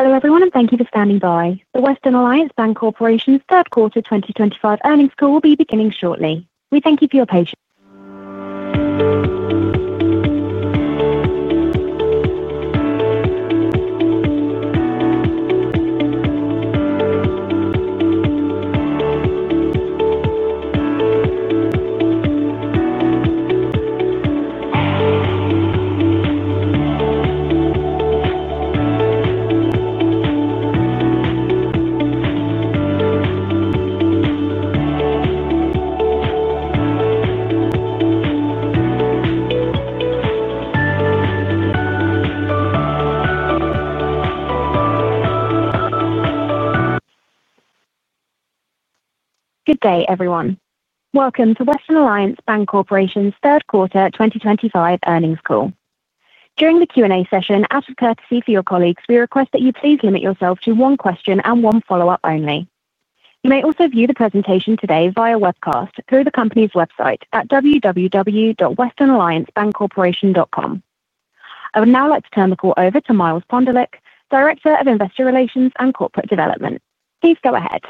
Hello, everyone, and thank you for standing by. The Western Alliance Bancorporation's third quarter 2025 earnings call will be beginning shortly. We thank you for your patience. Good day, everyone. Welcome to Western Alliance Bancorporation's third quarter 2025 earnings call. During the Q&A session, out of courtesy for your colleagues, we request that you please limit yourself to one question and one follow-up only. You may also view the presentation today via webcast through the company's website at www.westernalliancebancorporation.com. I would now like to turn the call over to Miles Pondelik, Director of Investor Relations and Corporate Development. Please go ahead.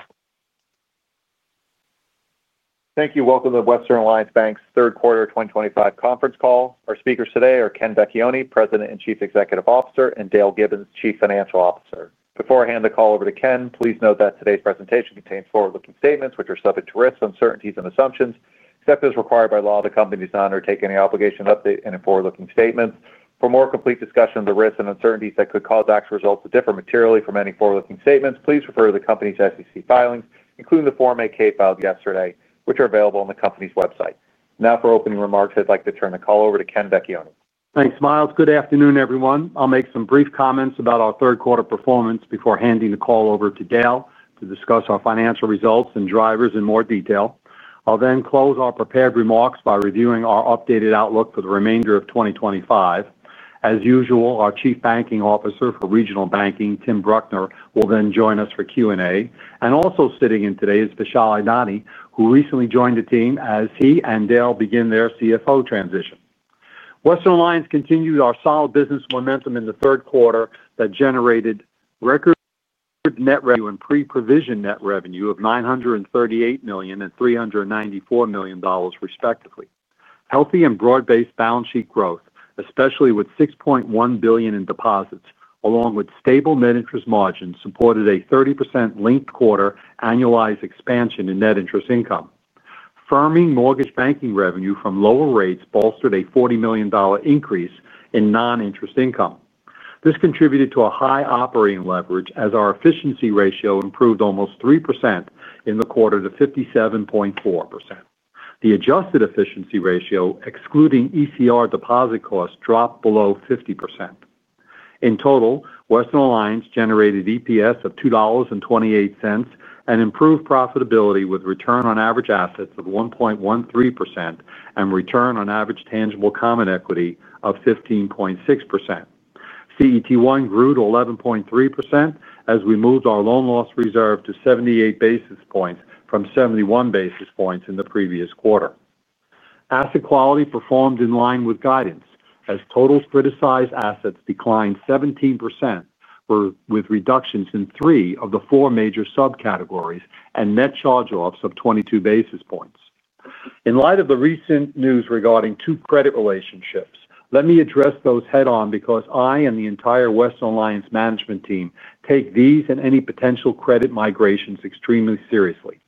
Thank you. Welcome to the Western Alliance Bancorporation's third quarter 2025 conference call. Our speakers today are Ken Vecchione, President and Chief Executive Officer, and Dale Gibbons, Chief Financial Officer. Before I hand the call over to Ken, please note that today's presentation contains forward-looking statements, which are subject to risks, uncertainties, and assumptions, except as required by law. The company does not undertake any obligation to update any forward-looking statements. For a more complete discussion of the risks and uncertainties that could cause actual results to differ materially from any forward-looking statements, please refer to the company's SEC filings, including the Form 8-K filed yesterday, which are available on the company's website. Now, for opening remarks, I'd like to turn the call over to Ken Vecchione. Thanks, Miles. Good afternoon, everyone. I'll make some brief comments about our third quarter performance before handing the call over to Dale to discuss our financial results and drivers in more detail. I'll then close our prepared remarks by reviewing our updated outlook for the remainder of 2025. As usual, our Chief Banking Officer for Regional Banking, Tim Bruckner, will then join us for Q&A. Also sitting in today is Vishal Adani, who recently joined the team as he and Dale begin their CFO transition. Western Alliance continued our solid business momentum in the third quarter that generated record net revenue and pre-provision net revenue of $938 million and $394 million, respectively. Healthy and broad-based balance sheet growth, especially with $6.1 billion in deposits, along with stable net interest margins, supported a 30% linked quarter annualized expansion in net interest income. Firming mortgage banking revenue from lower rates bolstered a $40 million increase in non-interest income. This contributed to a high operating leverage as our efficiency ratio improved almost 3% in the quarter to 57.4%. The adjusted efficiency ratio, excluding ECR deposit costs, dropped below 50%. In total, Western Alliance generated EPS of $2.28 and improved profitability with return on average assets of 1.13% and return on average tangible common equity of 15.6%. CET1 grew to 11.3% as we moved our loan loss reserve to 78 basis points from 71 basis points in the previous quarter. Asset quality performed in line with guidance as total criticized assets declined 17% with reductions in three of the four major subcategories and net charge-offs of 22 basis points. In light of the recent news regarding two credit relationships, let me address those head-on because I and the entire Western Alliance management team take these and any potential credit migrations extremely seriously.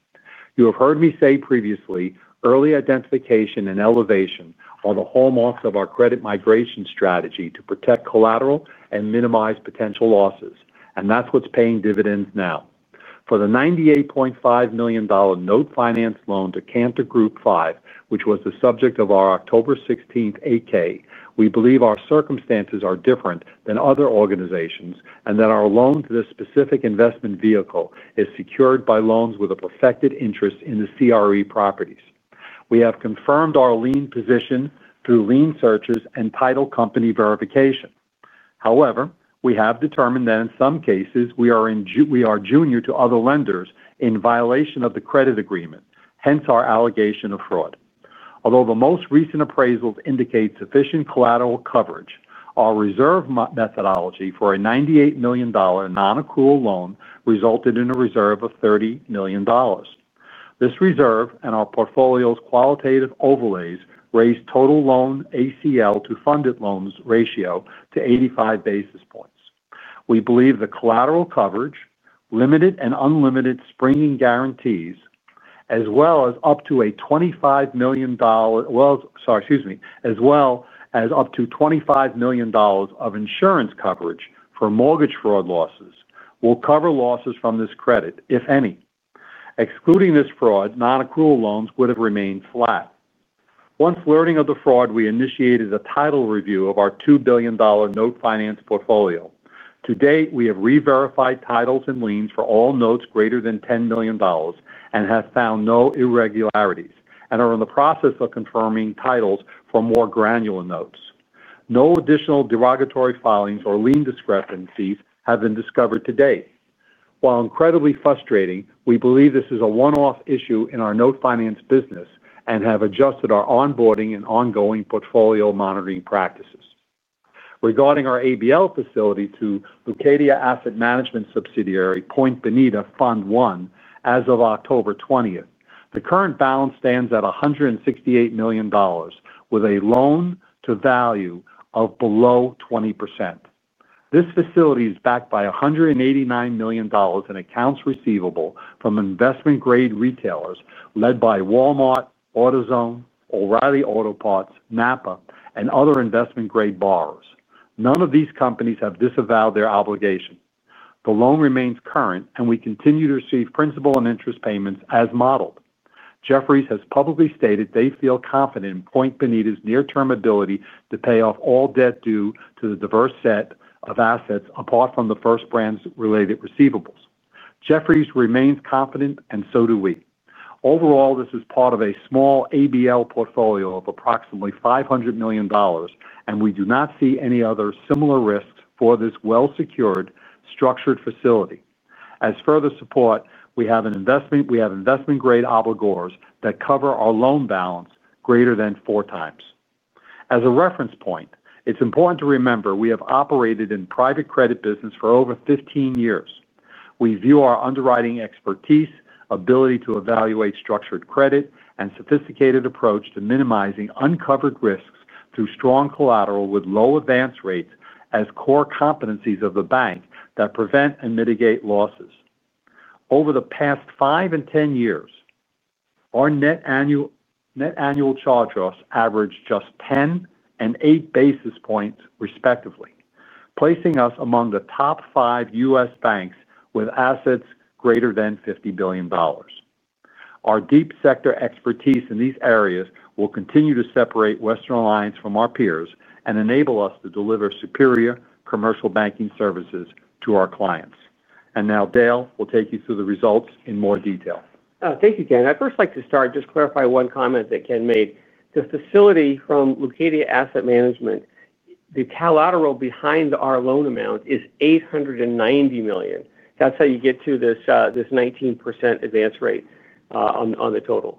You have heard me say previously, early identification and elevation are the hallmarks of our credit migration strategy to protect collateral and minimize potential losses, and that's what's paying dividends now. For the $98.5 million note financed loan to Canter Group 5, which was the subject of our October 16th AK, we believe our circumstances are different than other organizations and that our loan to this specific investment vehicle is secured by loans with a perfected interest in the CRE properties. We have confirmed our lien position through lien searches and title company verification. However, we have determined that in some cases we are junior to other lenders in violation of the credit agreement, hence our allegation of fraud. Although the most recent appraisals indicate sufficient collateral coverage, our reserve methodology for a $98 million non-accrual loan resulted in a reserve of $30 million. This reserve and our portfolio's qualitative overlays raised total loan ACL to funded loans ratio to 85 basis points. We believe the collateral coverage, limited and unlimited springing guarantees, as well as up to $25 million of insurance coverage for mortgage fraud losses, will cover losses from this credit, if any. Excluding this fraud, non-accrual loans would have remained flat. Once learning of the fraud, we initiated a title review of our $2 billion note financed portfolio. To date, we have re-verified titles and liens for all notes greater than $10 million and have found no irregularities and are in the process of confirming titles for more granular notes. No additional derogatory filings or lien discrepancies have been discovered to date. While incredibly frustrating, we believe this is a one-off issue in our note financed business and have adjusted our onboarding and ongoing portfolio monitoring practices. Regarding our ABL facility to Leucadia Asset Management subsidiary, Point Bonita Fund 1, as of October 20, the current balance stands at $168 million with a loan-to-value of below 20%. This facility is backed by $189 million in accounts receivable from investment-grade retailers led by Walmart, AutoZone, O'Reilly Auto Parts, NAPA, and other investment-grade borrowers. None of these companies have disavowed their obligation. The loan remains current, and we continue to receive principal and interest payments as modeled. Jefferies has publicly stated they feel confident in Point Bonita's near-term ability to pay off all debt due to the diverse set of assets apart from the First Brands-related receivables. Jefferies remains confident, and so do we. Overall, this is part of a small ABL portfolio of approximately $500 million, and we do not see any other similar risks for this well-secured structured facility. As further support, we have investment-grade obligations that cover our loan balance greater than 4x. As a reference point, it's important to remember we have operated in private credit business for over 15 years. We view our underwriting expertise, ability to evaluate structured credit, and sophisticated approach to minimizing uncovered risks through strong collateral with low advance rates as core competencies of the bank that prevent and mitigate losses. Over the past 5 and 10 years, our net annual charge-offs averaged just 10 and 8 basis points respectively, placing us among the top five U.S. banks with assets greater than $50 billion. Our deep sector expertise in these areas will continue to separate Western Alliance Bancorporation from our peers and enable us to deliver superior commercial banking services to our clients. Dale, we'll take you through the results in more detail. Thank you, Ken. I'd first like to start, just clarify one comment that Ken made. The facility from Leucadia Asset Management, the collateral behind our loan amount is $890 million. That's how you get to this 19% advance rate on the total.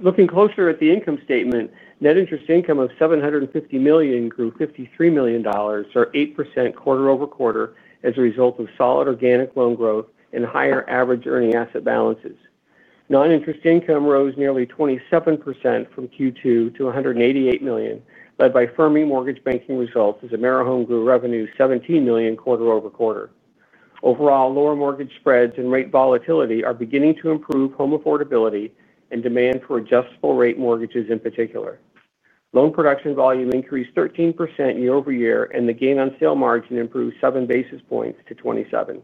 Looking closer at the income statement, net interest income of $750 million grew $53 million, or 8% quarter over quarter as a result of solid organic loan growth and higher average earning asset balances. Non-interest income rose nearly 27% from Q2 to $188 million, led by firming mortgage banking results as AmeriHome grew revenue $17 million quarter over quarter. Overall, lower mortgage spreads and rate volatility are beginning to improve home affordability and demand for adjustable-rate mortgages in particular. Loan production volume increased 13% year over year, and the gain on sale margin improved 7 basis points to 27.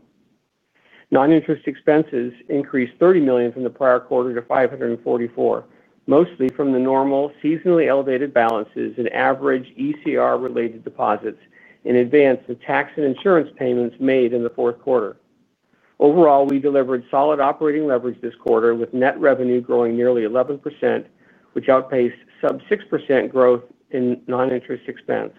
Non-interest expenses increased $30 million from the prior quarter to $544 million, mostly from the normal seasonally elevated balances and average ECR-related deposits in advance of tax and insurance payments made in the fourth quarter. Overall, we delivered solid operating leverage this quarter with net revenue growing nearly 11%, which outpaced sub-6% growth in non-interest expense.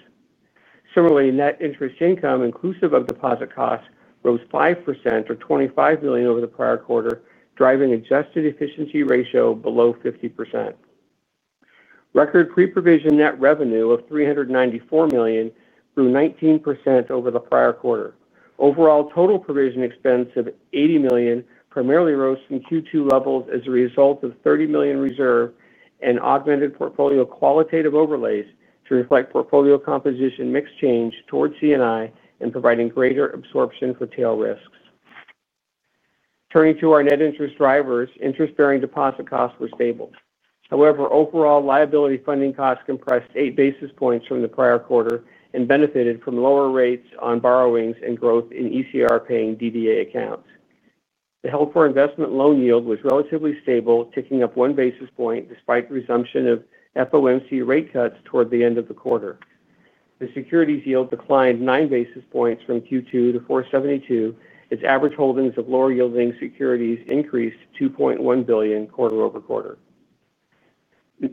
Similarly, net interest income, inclusive of deposit costs, rose 5% or $25 million over the prior quarter, driving adjusted efficiency ratio below 50%. Record pre-provision net revenue of $394 million grew 19% over the prior quarter. Overall, total provision expense of $80 million primarily rose from Q2 levels as a result of $30 million reserve and augmented portfolio qualitative overlays to reflect portfolio composition mix change towards CNI and providing greater absorption for tail risks. Turning to our net interest drivers, interest-bearing deposit costs were stable. However, overall, liability funding costs compressed 8 basis points from the prior quarter and benefited from lower rates on borrowings and growth in ECR-paying DDA accounts. The held for investment loan yield was relatively stable, ticking up one basis point despite resumption of FOMC rate cuts toward the end of the quarter. The securities yield declined 9 basis points from Q2 to 4.72%, as average holdings of lower yielding securities increased $2.1 billion quarter over quarter.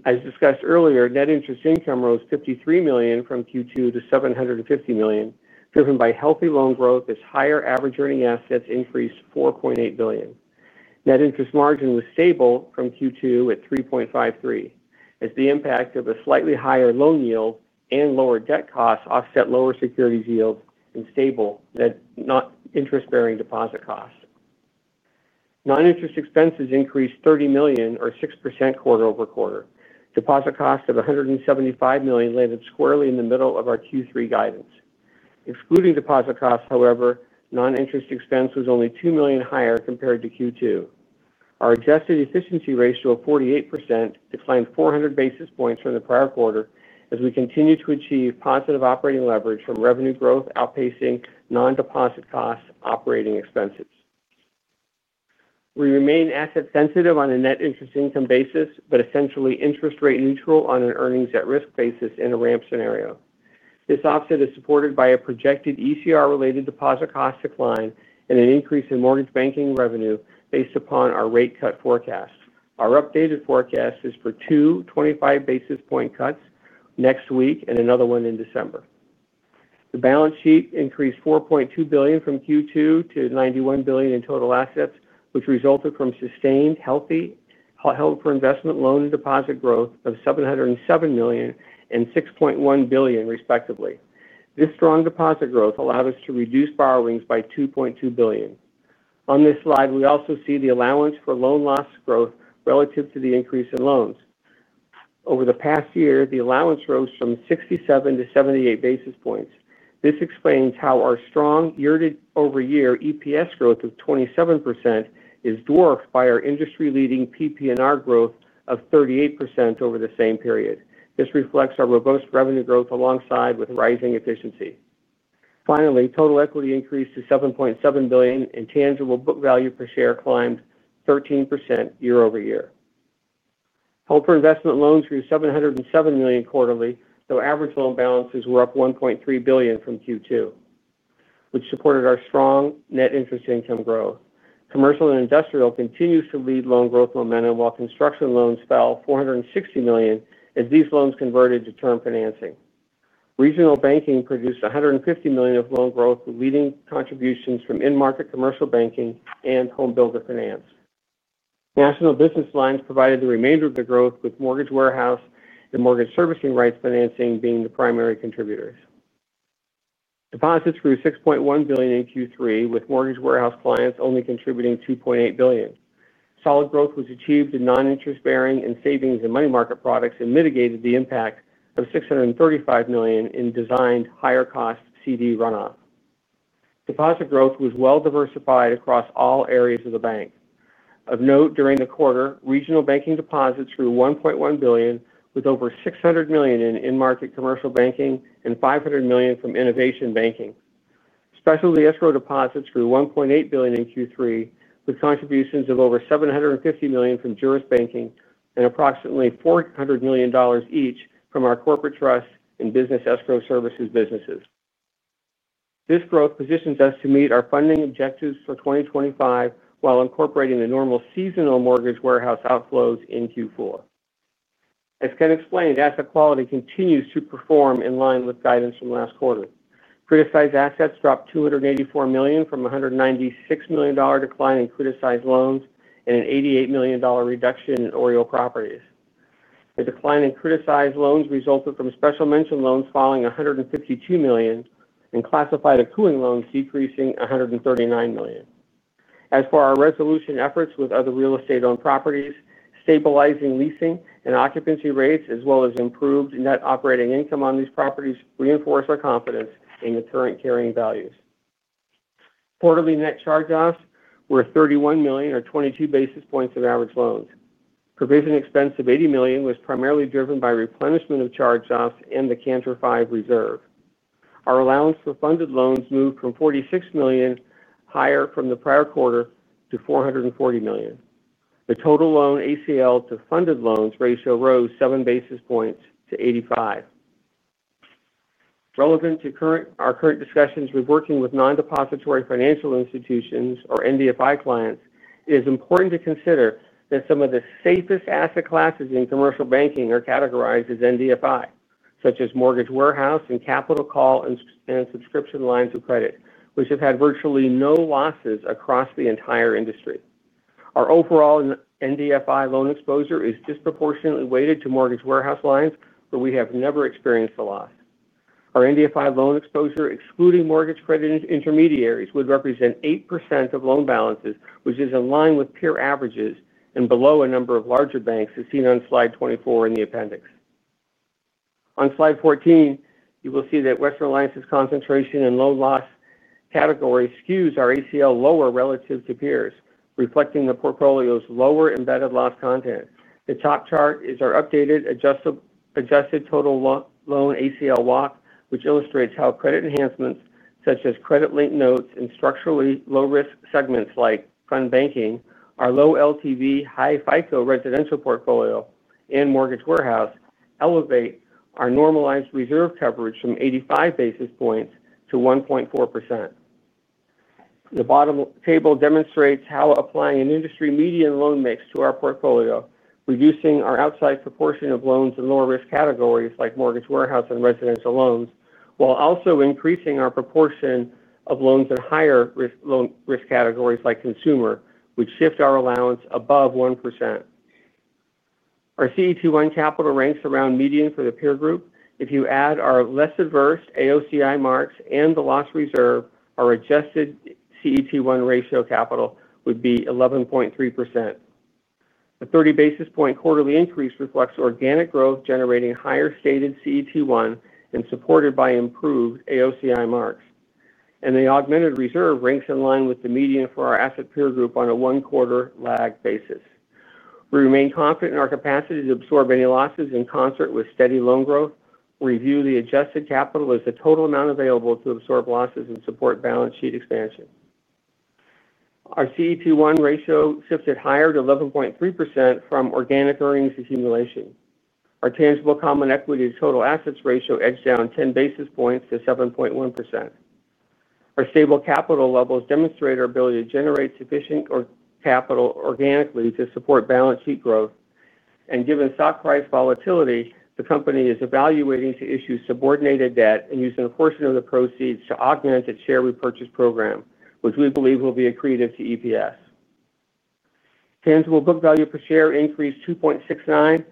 As discussed earlier, net interest income rose $53 million from Q2 to $750 million, driven by healthy loan growth as higher average earning assets increased $4.8 billion. Net interest margin was stable from Q2 at 3.53%, as the impact of a slightly higher loan yield and lower debt costs offset lower securities yields and stable net interest-bearing deposit costs. Non-interest expenses increased $30 million or 6% quarter over quarter. Deposit costs of $175 million landed squarely in the middle of our Q3 guidance. Excluding deposit costs, however, non-interest expense was only $2 million higher compared to Q2. Our adjusted efficiency ratio of 48% declined 400 basis points from the prior quarter as we continue to achieve positive operating leverage from revenue growth outpacing non-deposit costs operating expenses. We remain asset-sensitive on a net interest income basis, but essentially interest rate neutral on an earnings at risk basis in a ramp scenario. This offset is supported by a projected ECR-related deposit cost decline and an increase in mortgage banking revenue based upon our rate cut forecast. Our updated forecast is for two 25 basis point cuts next week and another one in December. The balance sheet increased $4.2 billion from Q2 to $91 billion in total assets, which resulted from sustained healthy health for investment loan and deposit growth of $707 million and $6.1 billion respectively. This strong deposit growth allowed us to reduce borrowings by $2.2 billion. On this slide, we also see the allowance for loan loss growth relative to the increase in loans. Over the past year, the allowance rose from 67 to 78 basis points. This explains how our strong year-over-year EPS growth of 27% is dwarfed by our industry-leading PP&R growth of 38% over the same period. This reflects our robust revenue growth alongside with rising efficiency. Finally, total equity increased to $7.7 billion and tangible book value per share climbed 13% year over year. Health for investment loans grew $707 million quarterly, though average loan balances were up $1.3 billion from Q2, which supported our strong net interest income growth. Commercial and industrial continues to lead loan growth momentum while construction loans fell $460 million as these loans converted to term financing. Regional banking produced $150 million of loan growth with leading contributions from in-market commercial banking and home builder finance. National business lines provided the remainder of the growth with mortgage warehouse and mortgage servicing rights financing being the primary contributors. Deposits grew $6.1 billion in Q3 with mortgage warehouse clients only contributing $2.8 billion. Solid growth was achieved in non-interest-bearing and savings and money market products and mitigated the impact of $635 million in designed higher cost CD runoff. Deposit growth was well diversified across all areas of the bank. Of note, during the quarter, regional banking deposits grew $1.1 billion with over $600 million in in-market commercial banking and $500 million from innovation banking. Specialty escrow deposits grew $1.8 billion in Q3 with contributions of over $750 million from jurist banking and approximately $400 million each from our corporate trust and business escrow services businesses. This growth positions us to meet our funding objectives for 2025 while incorporating the normal seasonal mortgage warehouse outflows in Q4. As Ken explained, asset quality continues to perform in line with guidance from last quarter. Criticized assets dropped $284 million from a $196 million decline in criticized loans and an $88 million reduction in aerial properties. A decline in criticized loans resulted from special mention loans falling $152 million and classified accruing loans decreasing $139,000. As for our resolution efforts with other real estate-owned properties, stabilizing leasing and occupancy rates, as well as improved net operating income on these properties, reinforce our confidence in the current carrying values. Quarterly net charge-offs were $31 million or 22 basis points of average loans. Provision expense of $80 million was primarily driven by replenishment of charge-offs and the Canter Group 5 reserve. Our allowance for funded loans moved $46 million higher from the prior quarter to $440 million. The total loan ACL to funded loans ratio rose 7 basis points to 0.85%. Relevant to our current discussions with working with non-depository financial institutions or NDFI clients, it is important to consider that some of the safest asset classes in commercial banking are categorized as NDFI, such as mortgage warehouse and capital call and subscription lines of credit, which have had virtually no losses across the entire industry. Our overall NDFI loan exposure is disproportionately weighted to mortgage warehouse lines, but we have never experienced a loss. Our NDFI loan exposure, excluding mortgage credit intermediaries, would represent 8% of loan balances, which is in line with peer averages and below a number of larger banks as seen on slide 24 in the appendix. On slide 14, you will see that Western Alliance's concentration in loan loss category skews our ACL lower relative to peers, reflecting the portfolio's lower embedded loss content. The top chart is our updated adjusted total loan ACL walk, which illustrates how credit enhancements such as credit linked notes and structurally low-risk segments like fund banking, our low LTV, high FICO residential portfolio, and mortgage warehouse elevate our normalized reserve coverage from 85 basis points to 1.4%. The bottom table demonstrates how applying an industry median loan mix to our portfolio, reducing our outside proportion of loans in lower risk categories like mortgage warehouse and residential loans, while also increasing our proportion of loans in higher risk categories like consumer, would shift our allowance above 1%. Our CET1 capital ranks around median for the peer group. If you add our less adverse AOCI marks and the loss reserve, our adjusted CET1 ratio capital would be 11.3%. The 30 basis point quarterly increase reflects organic growth generating higher stated CET1 and supported by improved AOCI marks. The augmented reserve ranks in line with the median for our asset peer group on a one-quarter lag basis. We remain confident in our capacity to absorb any losses in concert with steady loan growth. We review the adjusted capital as the total amount available to absorb losses and support balance sheet expansion. Our CET1 ratio shifts at higher to 11.3% from organic earnings accumulation. Our tangible common equity total assets ratio edged down 10 basis points to 7.1%. Our stable capital levels demonstrate our ability to generate sufficient capital organically to support balance sheet growth. Given stock price volatility, the company is evaluating to issue subordinated debt and using a portion of the proceeds to augment its share repurchase program, which we believe will be accretive to EPS. Tangible book value per share increased $2.69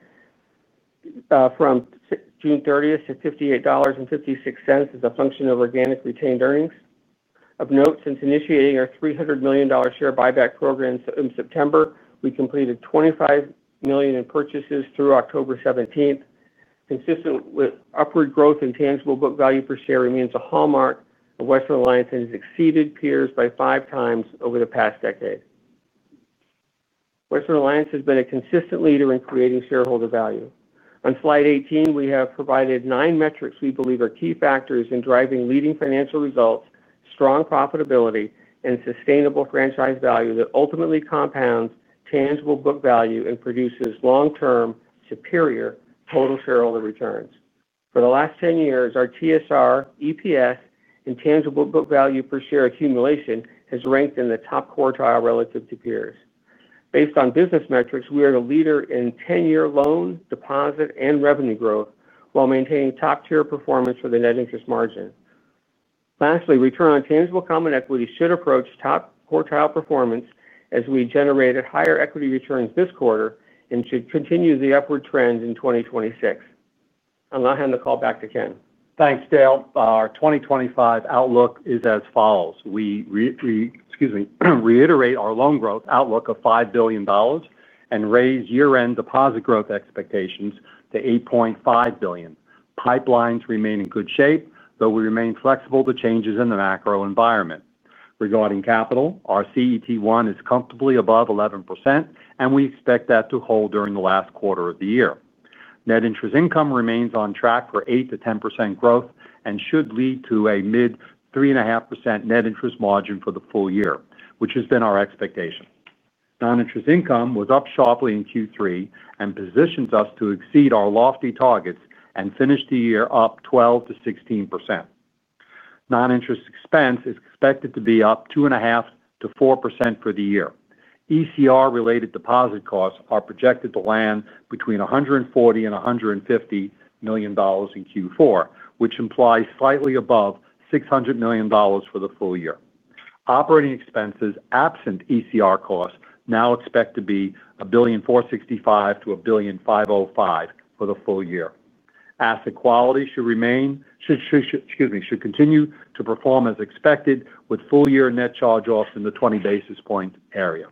from June 30th to $58.56 as a function of organic retained earnings. Of note, since initiating our $300 million share buyback program in September, we completed $25 million in purchases through October 17th. Consistent with upward growth in tangible book value per share remains a hallmark of Western Alliance and has exceeded peers by 5x over the past decade. Western Alliance has been a consistent leader in creating shareholder value. On slide 18, we have provided nine metrics we believe are key factors in driving leading financial results, strong profitability, and sustainable franchise value that ultimately compounds tangible book value and produces long-term superior total shareholder returns. For the last 10 years, our TSR, EPS, and tangible book value per share accumulation has ranked in the top quartile relative to peers. Based on business metrics, we are the leader in 10-year loan, deposit, and revenue growth while maintaining top-tier performance for the net interest margin. Lastly, return on tangible common equity should approach top quartile performance as we generated higher equity returns this quarter and should continue the upward trend in 2026. I'll now hand the call back to Ken. Thanks, Dale. Our 2025 outlook is as follows. We reiterate our loan growth outlook of $5 billion and raise year-end deposit growth expectations to $8.5 billion. Pipelines remain in good shape, though we remain flexible to changes in the macro environment. Regarding capital, our CET1 is comfortably above 11%, and we expect that to hold during the last quarter of the year. Net interest income remains on track for 8%-10% growth and should lead to a mid-3.5% net interest margin for the full year, which has been our expectation. Non-interest income was up sharply in Q3 and positions us to exceed our lofty targets and finish the year up 12%-16%. Non-interest expense is expected to be up 2.5% to 4% for the year. ECR-related deposit costs are projected to land between $140 million and $150 million in Q4, which implies slightly above $600 million for the full year. Operating expenses absent ECR costs now expect to be $1.465 billion to $1.505 billion for the full year. Asset quality should continue to perform as expected with full-year net charge-offs in the 20 basis point area.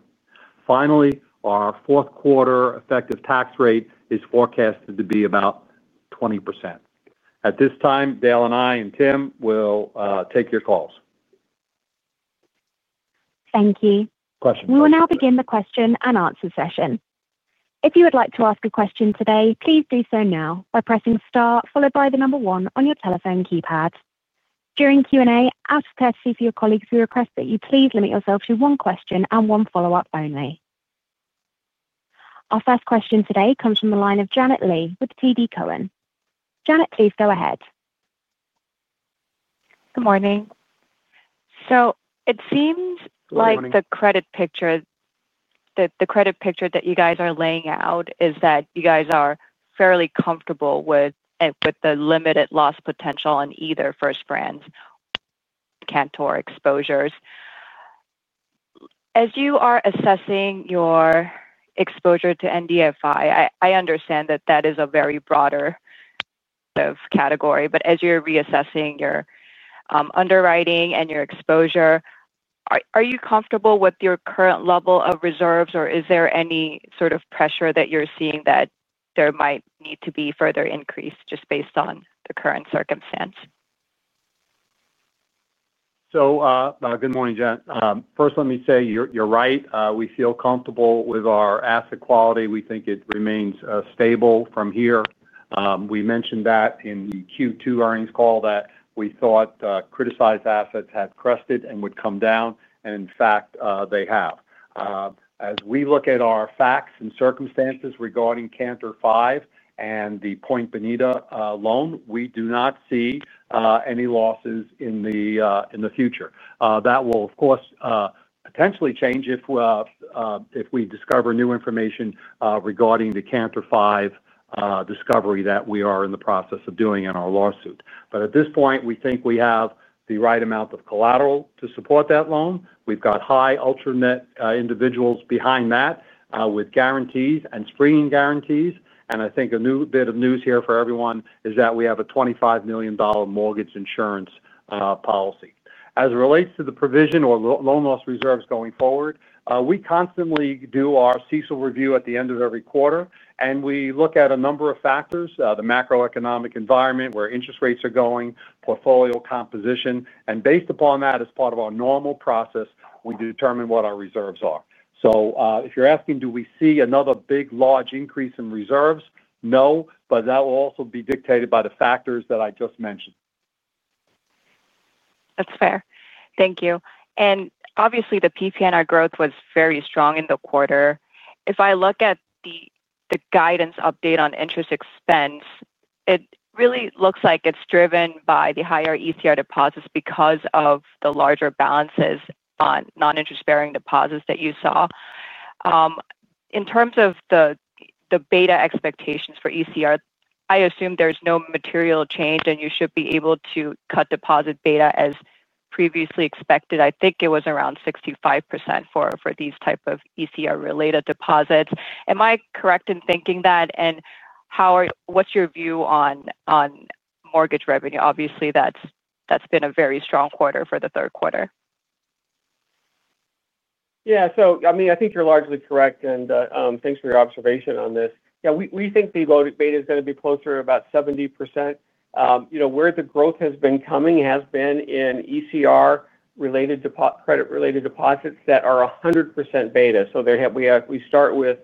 Finally, our fourth quarter effective tax rate is forecasted to be about 20%. At this time, Dale and I and Tim will take your calls. Thank you. Questions. We will now begin the question and answer session. If you would like to ask a question today, please do so now by pressing the star followed by the number one on your telephone keypad. During Q&A, out of courtesy for your colleagues, we request that you please limit yourself to one question and one follow-up only. Our first question today comes from the line of Janet Lee with TD Cowen. Janet, please go ahead. Good morning. It seems like the credit picture that you guys are laying out is that you guys are fairly comfortable with the limited loss potential on either First Brands or Canter 5 exposures. As you are assessing your exposure to NDFI, I understand that that is a very broader category, but as you're reassessing your underwriting and your exposure, are you comfortable with your current level of reserves, or is there any sort of pressure that you're seeing that there might need to be further increase just based on the current circumstance? Good morning, Janet. First, let me say you're right. We feel comfortable with our asset quality. We think it remains stable from here. We mentioned in the Q2 earnings call that we thought criticized assets had crested and would come down, and in fact, they have. As we look at our facts and circumstances regarding Canter Group 5 and Point Bonita fund 1 loan, we do not see any losses in the future. That will, of course, potentially change if we discover new information regarding the Canter Group 5 discovery that we are in the process of doing in our lawsuit. At this point, we think we have the right amount of collateral to support that loan. We've got high alternate individuals behind that with guarantees and springing guarantees. I think a new bit of news here for everyone is that we have a $25,000,000 mortgage insurance policy. As it relates to the provision or loan loss reserves going forward, we constantly do our CECL review at the end of every quarter, and we look at a number of factors, the macroeconomic environment, where interest rates are going, portfolio composition, and based upon that as part of our normal process, we determine what our reserves are. If you're asking, do we see another big large increase in reserves? No, but that will also be dictated by the factors that I just mentioned. That's fair. Thank you. Obviously, the PP&R growth was very strong in the quarter. If I look at the guidance update on interest expense, it really looks like it's driven by the higher ECR deposits because of the larger balances on non-interest-bearing deposits that you saw. In terms of the beta expectations for ECR, I assume there's no material change, and you should be able to cut deposit beta as previously expected. I think it was around 65% for these types of ECR-related deposits. Am I correct in thinking that? What's your view on mortgage revenue? Obviously, that's been a very strong quarter for the third quarter. Yeah. I think you're largely correct, and thanks for your observation on this. We think the beta is going to be closer to about 70%. Where the growth has been coming has been in ECR-related credit-related deposits that are 100% beta. We start with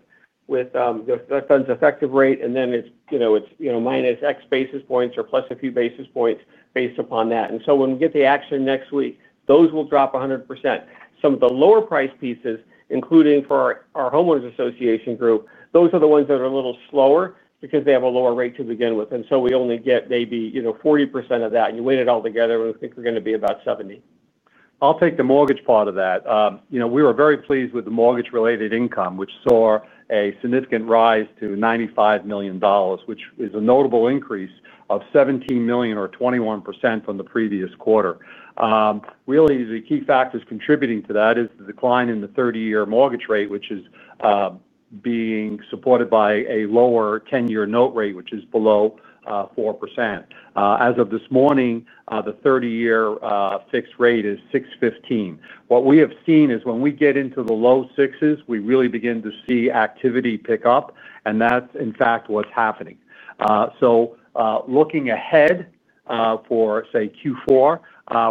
the fund's effective rate, and then it's minus X basis points or plus a few basis points based upon that. When we get the action next week, those will drop 100%. Some of the lower price pieces, including for our homeowners association group, are a little slower because they have a lower rate to begin with. We only get maybe 40% of that. You weigh it all together, and I think we're going to be about 70%. I'll take the mortgage part of that. We were very pleased with the mortgage-related income, which saw a significant rise to $95 million, which is a notable increase of $17 million or 21% from the previous quarter. Really, the key factors contributing to that is the decline in the 30-year mortgage rate, which is being supported by a lower 10-year note rate, which is below 4%. As of this morning, the 30-year fixed rate is 6.15%. What we have seen is when we get into the low 6s, we really begin to see activity pick up, and that's, in fact, what's happening. Looking ahead for, say, Q4,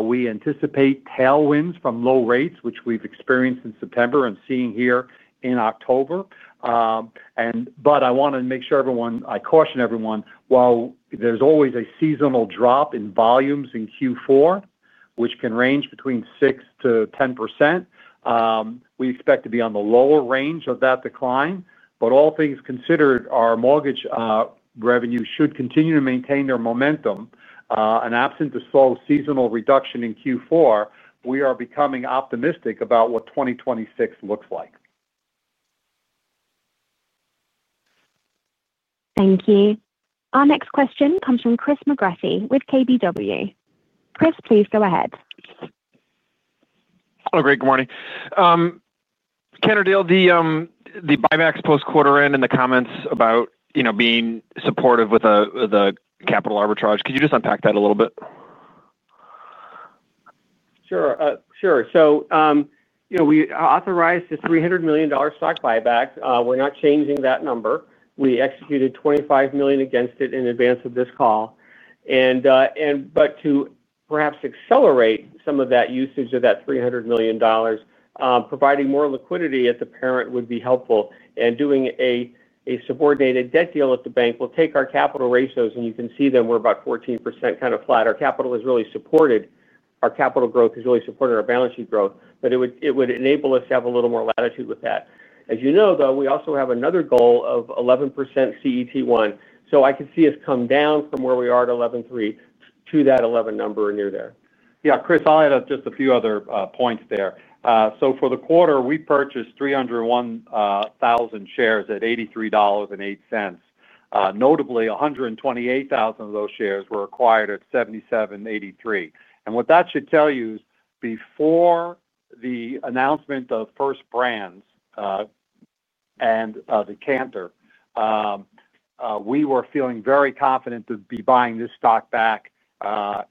we anticipate tailwinds from low rates, which we've experienced in September and seeing here in October. I want to make sure everyone, I caution everyone, while there's always a seasonal drop in volumes in Q4, which can range between 6%-10%, we expect to be on the lower range of that decline. All things considered, our mortgage revenue should continue to maintain their momentum. Absent the slow seasonal reduction in Q4, we are becoming optimistic about what 2026 looks like. Thank you. Our next question comes from Chris McGrathy with KBW. Chris, please go ahead. Oh, great. Good morning. Ken or Dale, the buybacks post-quarter end and the comments about being supportive with the capital arbitrage, could you just unpack that a little bit? Sure. You know we authorized the $300 million stock buyback. We're not changing that number. We executed $25 million against it in advance of this call. To perhaps accelerate some of that usage of that $300 million, providing more liquidity at the parent would be helpful. Doing a subordinated debt deal at the bank will take our capital ratios, and you can see them, we're about 14% kind of flat. Our capital is really supported. Our capital growth is really supporting our balance sheet growth. It would enable us to have a little more latitude with that. As you know, though, we also have another goal of 11% CET1. I could see us come down from where we are at 11.3% to that 11% number or near there. Yeah, Chris, I'll add just a few other points there. For the quarter, we purchased 301,000 shares at $83.08. Notably, 128,000 of those shares were acquired at $77.83. What that should tell you is before the announcement of First Brands and the Canter Group 5, we were feeling very confident to be buying this stock back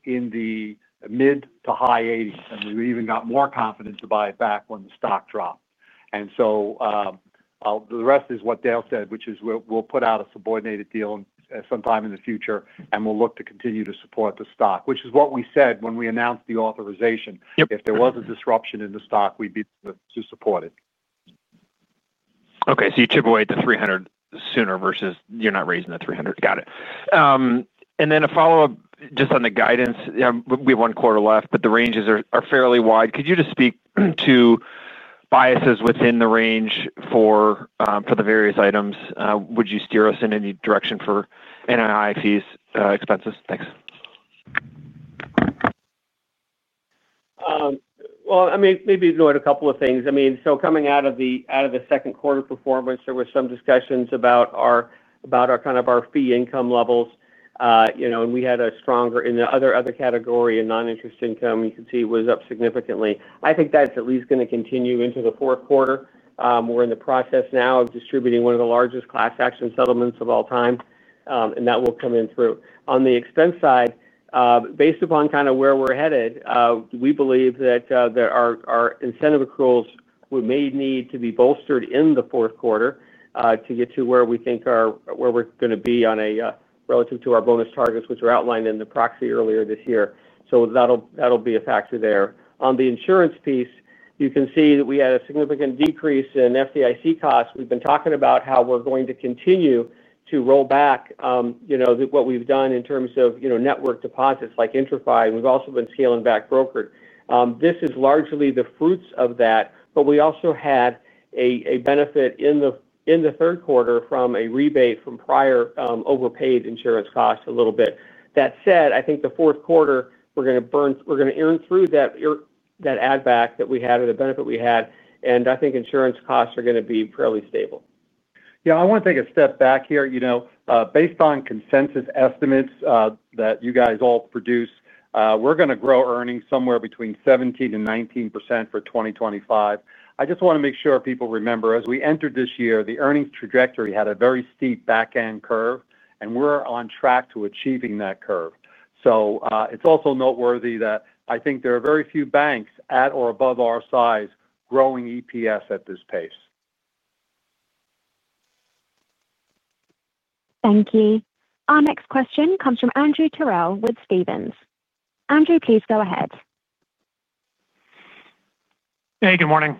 in the mid to high $80s. We even got more confident to buy it back when the stock dropped. The rest is what Dale said, which is we'll put out a subordinated deal sometime in the future, and we'll look to continue to support the stock, which is what we said when we announced the authorization. If there was a disruption in the stock, we'd be there to support it. Okay. You chip away at the $300 million sooner versus you're not raising the $300 million. Got it. A follow-up just on the guidance. We have one quarter left, but the ranges are fairly wide. Could you just speak to biases within the range for the various items? Would you steer us in any direction for NII, fees, expenses? Thanks. I mean, maybe ignore a couple of things. I mean, coming out of the second quarter performance, there were some discussions about our fee income levels. You know, we had a stronger in the other category and non-interest income, you could see it was up significantly. I think that's at least going to continue into the fourth quarter. We're in the process now of distributing one of the largest class action settlements of all time, and that will come in through. On the expense side, based upon where we're headed, we believe that our incentive accruals may need to be bolstered in the fourth quarter to get to where we think are where we're going to be relative to our bonus targets, which are outlined in the proxy earlier this year. That'll be a factor there. On the insurance piece, you can see that we had a significant decrease in FDIC costs. We've been talking about how we're going to continue to roll back what we've done in terms of network deposits like InterFi, and we've also been scaling back brokered. This is largely the fruits of that, but we also had a benefit in the third quarter from a rebate from prior overpaid insurance costs a little bit. That said, I think the fourth quarter, we're going to earn through that add-back that we had or the benefit we had, and I think insurance costs are going to be fairly stable. I want to take a step back here. You know, based on consensus estimates that you guys all produce, we're going to grow earnings somewhere between 17% to 19% for 2025. I just want to make sure people remember, as we entered this year, the earnings trajectory had a very steep back-end curve, and we're on track to achieving that curve. It's also noteworthy that I think there are very few banks at or above our size growing EPS at this pace. Thank you. Our next question comes from Andrew Terrell with Stephens. Andrew, please go ahead. Hey, good morning.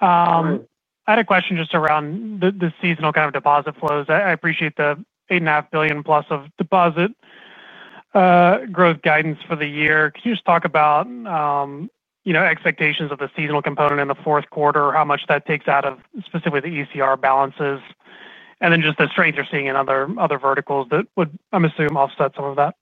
I had a question just around the seasonal kind of deposit flows. I appreciate the $8.5 billion plus of deposit growth guidance for the year. Could you just talk about expectations of the seasonal component in the fourth quarter, how much that takes out of specifically the ECR balances, and then the strains you're seeing in other verticals that would, I'm assuming, offset some of that?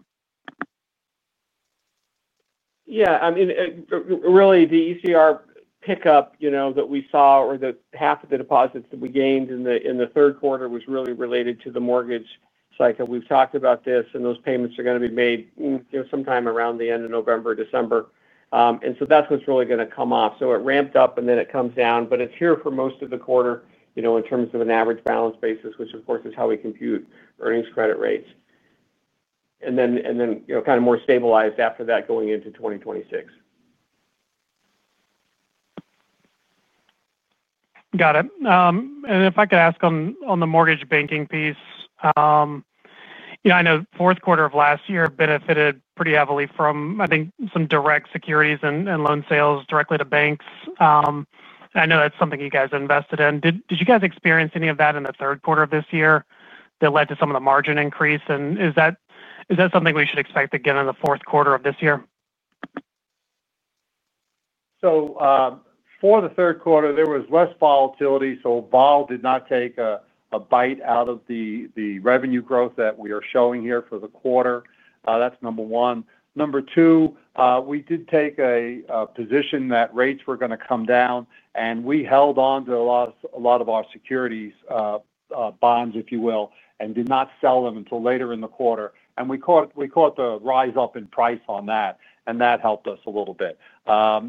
Yeah. I mean, really, the ECR pickup that we saw or the half of the deposits that we gained in the third quarter was really related to the mortgage cycle. We've talked about this, and those payments are going to be made sometime around the end of November, December. That's what's really going to come off. It ramped up, and then it comes down, but it's here for most of the quarter in terms of an average balance basis, which, of course, is how we compute earnings credit rates. It kind of more stabilized after that going into 2026. Got it. If I could ask on the mortgage banking piece, I know the fourth quarter of last year benefited pretty heavily from, I think, some direct securities and loan sales directly to banks. I know that's something you guys invested in. Did you guys experience any of that in the third quarter of this year that led to some of the margin increase? Is that something we should expect again in the fourth quarter of this year? For the third quarter, there was less volatility, so vol did not take a bite out of the revenue growth that we are showing here for the quarter. That's number one. Number two, we did take a position that rates were going to come down, and we held on to a lot of our securities bonds, if you will, and did not sell them until later in the quarter. We caught the rise up in price on that, and that helped us a little bit. We are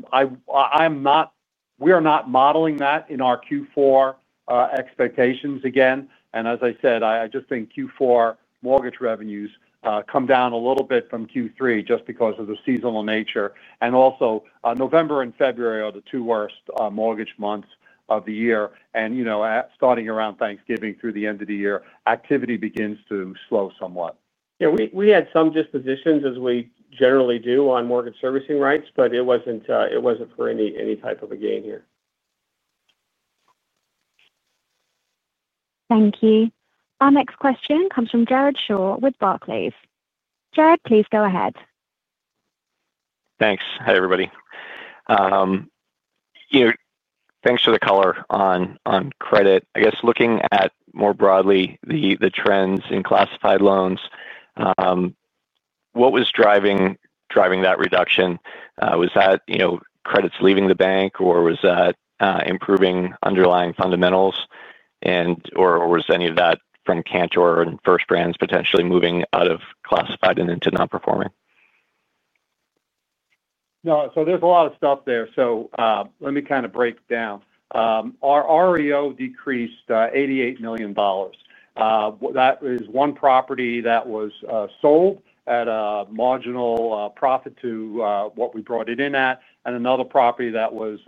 not modeling that in our Q4 expectations again. As I said, I just think Q4 mortgage revenues come down a little bit from Q3 just because of the seasonal nature. Also, November and February are the two worst mortgage months of the year. You know starting around Thanksgiving through the end of the year, activity begins to slow somewhat. Yeah, we had some dispositions as we generally do on mortgage servicing rights, but it wasn't for any type of a gain here. Thank you. Our next question comes from Jared Shaw with Barclays. Jared, please go ahead. Thanks. Hi, everybody. Thanks for the color on credit. I guess looking at more broadly the trends in classified loans, what was driving that reduction? Was that credits leaving the bank, or was that improving underlying fundamentals? Was any of that from Canter and First Brands potentially moving out of classified and into non-performing? No. There's a lot of stuff there. Let me kind of break down. Our REO decreased $88 million. That is one property that was sold at a marginal profit to what we brought it in at, and another property that was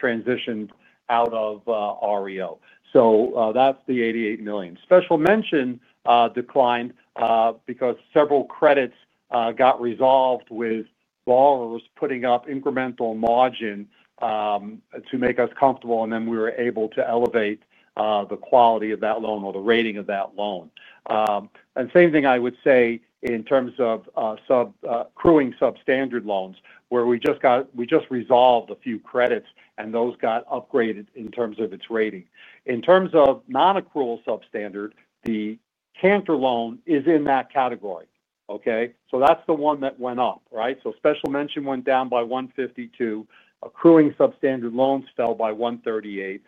transitioned out of REO. That's the $88 million. Special mention declined because several credits got resolved with borrowers putting up incremental margin to make us comfortable, and then we were able to elevate the quality of that loan or the rating of that loan. Same thing I would say in terms of accruing substandard loans where we just resolved a few credits, and those got upgraded in terms of its rating. In terms of non-accrual substandard, the Canter Group 5 loan is in that category, okay? That's the one that went up, right? Special mention went down by $152 million. Accruing substandard loans fell by $138 million.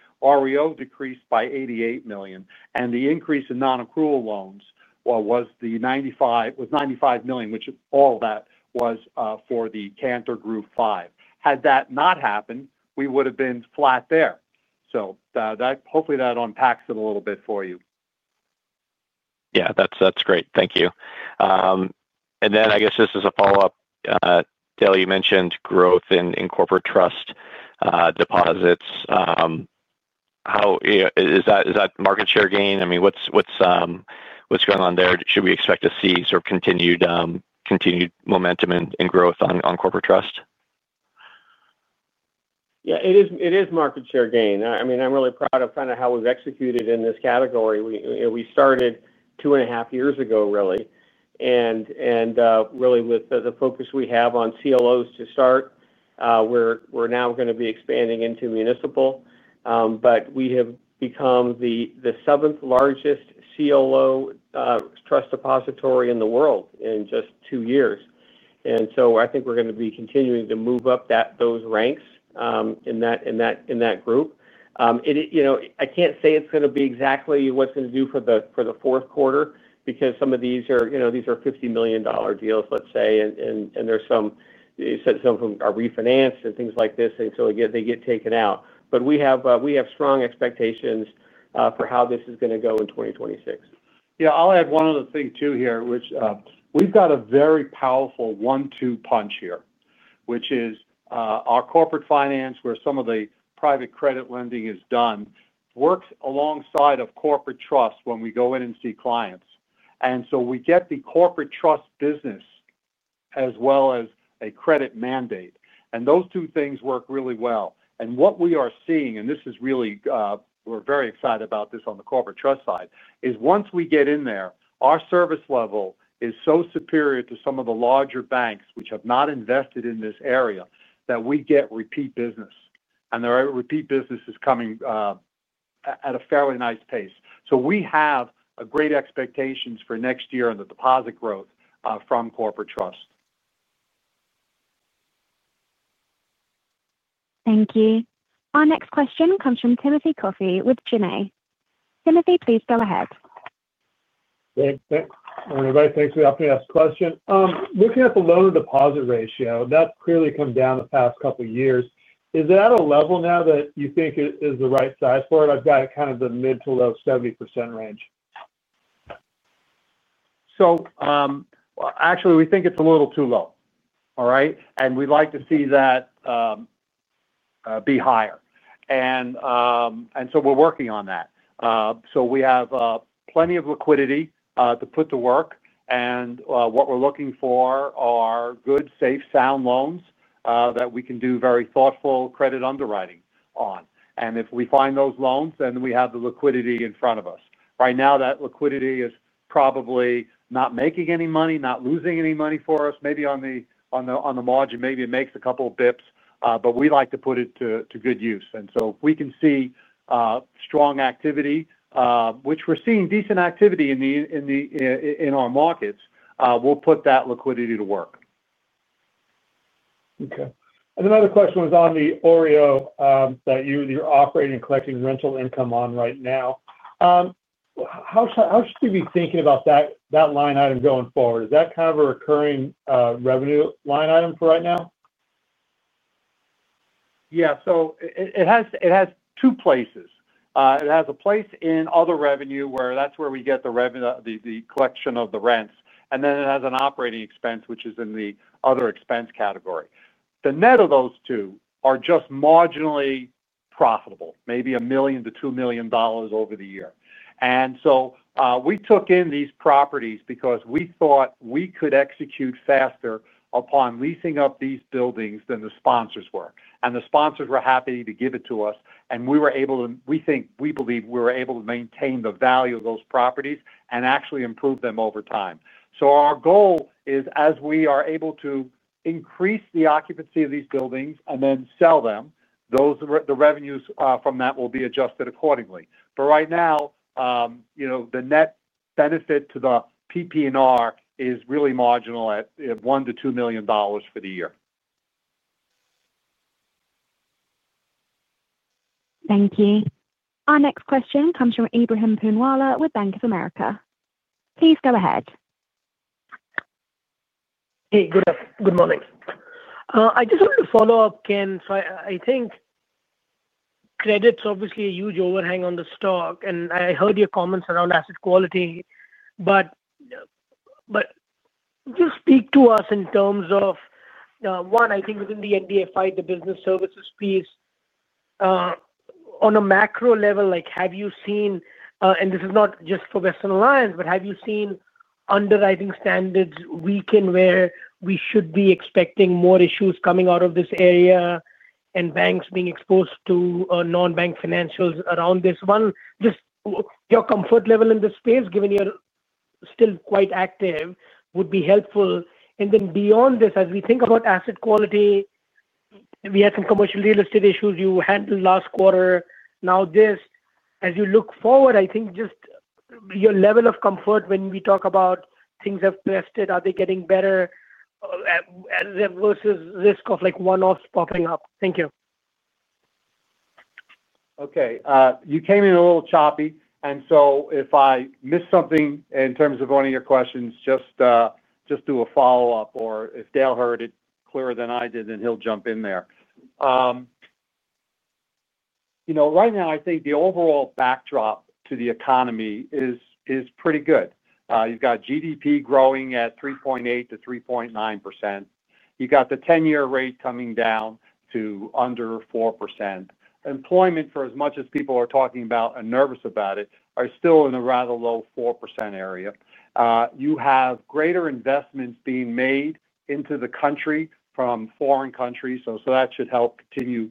REO decreased by $88 million, and the increase in non-accrual loans was the $95 million, which all of that was for the Canter Group 5. Had that not happened, we would have been flat there. Hopefully, that unpacks it a little bit for you. Yeah, that's great. Thank you. I guess just as a follow-up, Dale, you mentioned growth in corporate trust deposits. Is that market share gain? I mean, what's going on there? Should we expect to see sort of continued momentum in growth on corporate trust? Yeah, it is market share gain. I'm really proud of how we've executed in this category. We started two and a half years ago, really, with the focus we have on CLOs to start. We're now going to be expanding into municipal. We have become the seventh largest CLO trust depository in the world in just two years, and I think we're going to be continuing to move up those ranks in that group. I can't say it's going to be exactly what it's going to do for the fourth quarter because some of these are $50 million deals, let's say, and you said some of them are refinanced and things like this, so they get taken out. We have strong expectations for how this is going to go in 2026. Yeah, I'll add one other thing here, which is we've got a very powerful one-two punch here, which is our Corporate Finance, where some of the private credit lending is done, works alongside Corporate Trust when we go in and see clients. We get the Corporate Trust business as well as a credit mandate. Those two things work really well. What we are seeing, and this is really, we're very excited about this on the Corporate Trust side, is once we get in there, our service level is so superior to some of the larger banks which have not invested in this area that we get repeat business. The repeat business is coming at a fairly nice pace. We have great expectations for next year and the deposit growth from Corporate Trust. Thank you. Our next question comes from Timothy Coffey with Janney. Timothy, please go ahead. Thanks, Ben. I want to thank you for the opportunity to ask a question. Looking at the loan-to-deposit ratio, that's clearly come down the past couple of years. Is it at a level now that you think it is the right size for it? I've got it kind of in the mid to low 70% range. We think it's a little too low, all right? We'd like to see that be higher, and we're working on that. We have plenty of liquidity to put to work, and what we're looking for are good, safe, sound loans that we can do very thoughtful credit underwriting on. If we find those loans, then we have the liquidity in front of us. Right now, that liquidity is probably not making any money, not losing any money for us. Maybe on the margin, maybe it makes a couple of bps, but we like to put it to good use. If we can see strong activity, which we're seeing decent activity in our markets, we'll put that liquidity to work. Okay. Another question was on the OREO that you're operating and collecting rental income on right now. How should we be thinking about that line item going forward? Is that kind of a recurring revenue line item for right now? Yeah. It has two places. It has a place in other revenue, where that's where we get the collection of the rents. It also has an operating expense, which is in the other expense category. The net of those two are just marginally profitable, maybe $1 million-$2 million over the year. We took in these properties because we thought we could execute faster upon leasing up these buildings than the sponsors were. The sponsors were happy to give it to us. We were able to, we think, we believe we were able to maintain the value of those properties and actually improve them over time. Our goal is as we are able to increase the occupancy of these buildings and then sell them, the revenues from that will be adjusted accordingly. Right now, the net benefit to the PP&R is really marginal at $1 million-$2 million for the year. Thank you. Our next question comes from Ebrahim Poonawala with Bank of America. Please go ahead. Hey, good morning. I just wanted to follow up, Ken. I think credit's obviously a huge overhang on the stock. I heard your comments around asset quality. Just speak to us in terms of, one, I think within the NDFI, the business services piece, on a macro level, have you seen, and this is not just for Western Alliance Bancorporation, but have you seen underwriting standards weaken where we should be expecting more issues coming out of this area and banks being exposed to non-bank financials around this one? Just your comfort level in this space, given you're still quite active, would be helpful. Beyond this, as we think about asset quality, we had some commercial real estate issues you handled last quarter. Now this, as you look forward, I think just your level of comfort when we talk about things have tested, are they getting better versus risk of one-offs popping up. Thank you. Okay. You came in a little choppy. If I missed something in terms of one of your questions, just do a follow-up. If Dale heard it clearer than I did, then he'll jump in there. Right now, I think the overall backdrop to the economy is pretty good. You've got GDP growing at 3.8%-3.9%. You've got the 10-year rate coming down to under 4%. Employment, for as much as people are talking about and nervous about it, is still in a rather low 4% area. You have greater investments being made into the country from foreign countries. That should help continue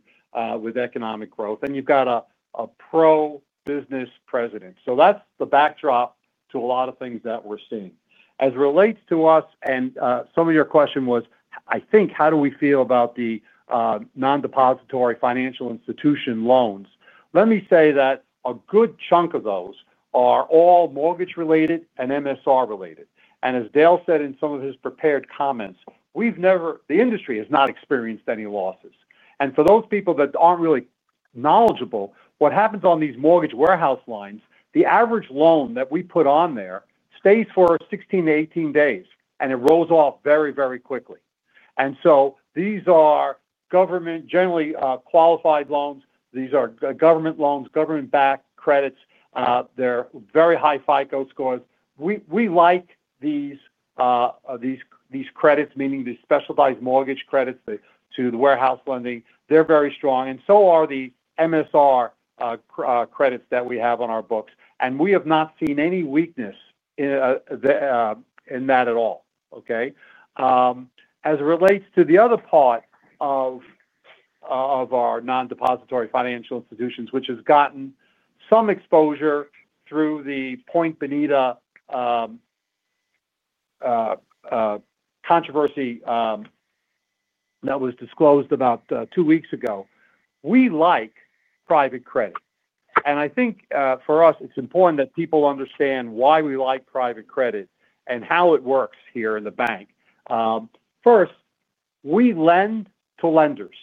with economic growth. You've got a pro-business president. That's the backdrop to a lot of things that we're seeing. As it relates to us, and some of your question was, I think, how do we feel about the non-depository financial institution loans? Let me say that a good chunk of those are all mortgage-related and MSR-related. As Dale said in some of his prepared comments, we've never, the industry has not experienced any losses. For those people that aren't really knowledgeable, what happens on these mortgage warehouse lines, the average loan that we put on there stays for 16 to 18 days, and it rolls off very, very quickly. These are generally government qualified loans. These are government loans, government-backed credits. They're very high FICO scores. We like these credits, meaning the specialized mortgage credits to the warehouse lending. They're very strong. So are the MSR credits that we have on our books. We have not seen any weakness in that at all. As it relates to the other part of our non-depository financial institutions, which has gotten some exposure through the Point Bonita controversy that was disclosed about two weeks ago, we like private credit. I think for us, it's important that people understand why we like private credit and how it works here in the bank. First, we lend to lenders.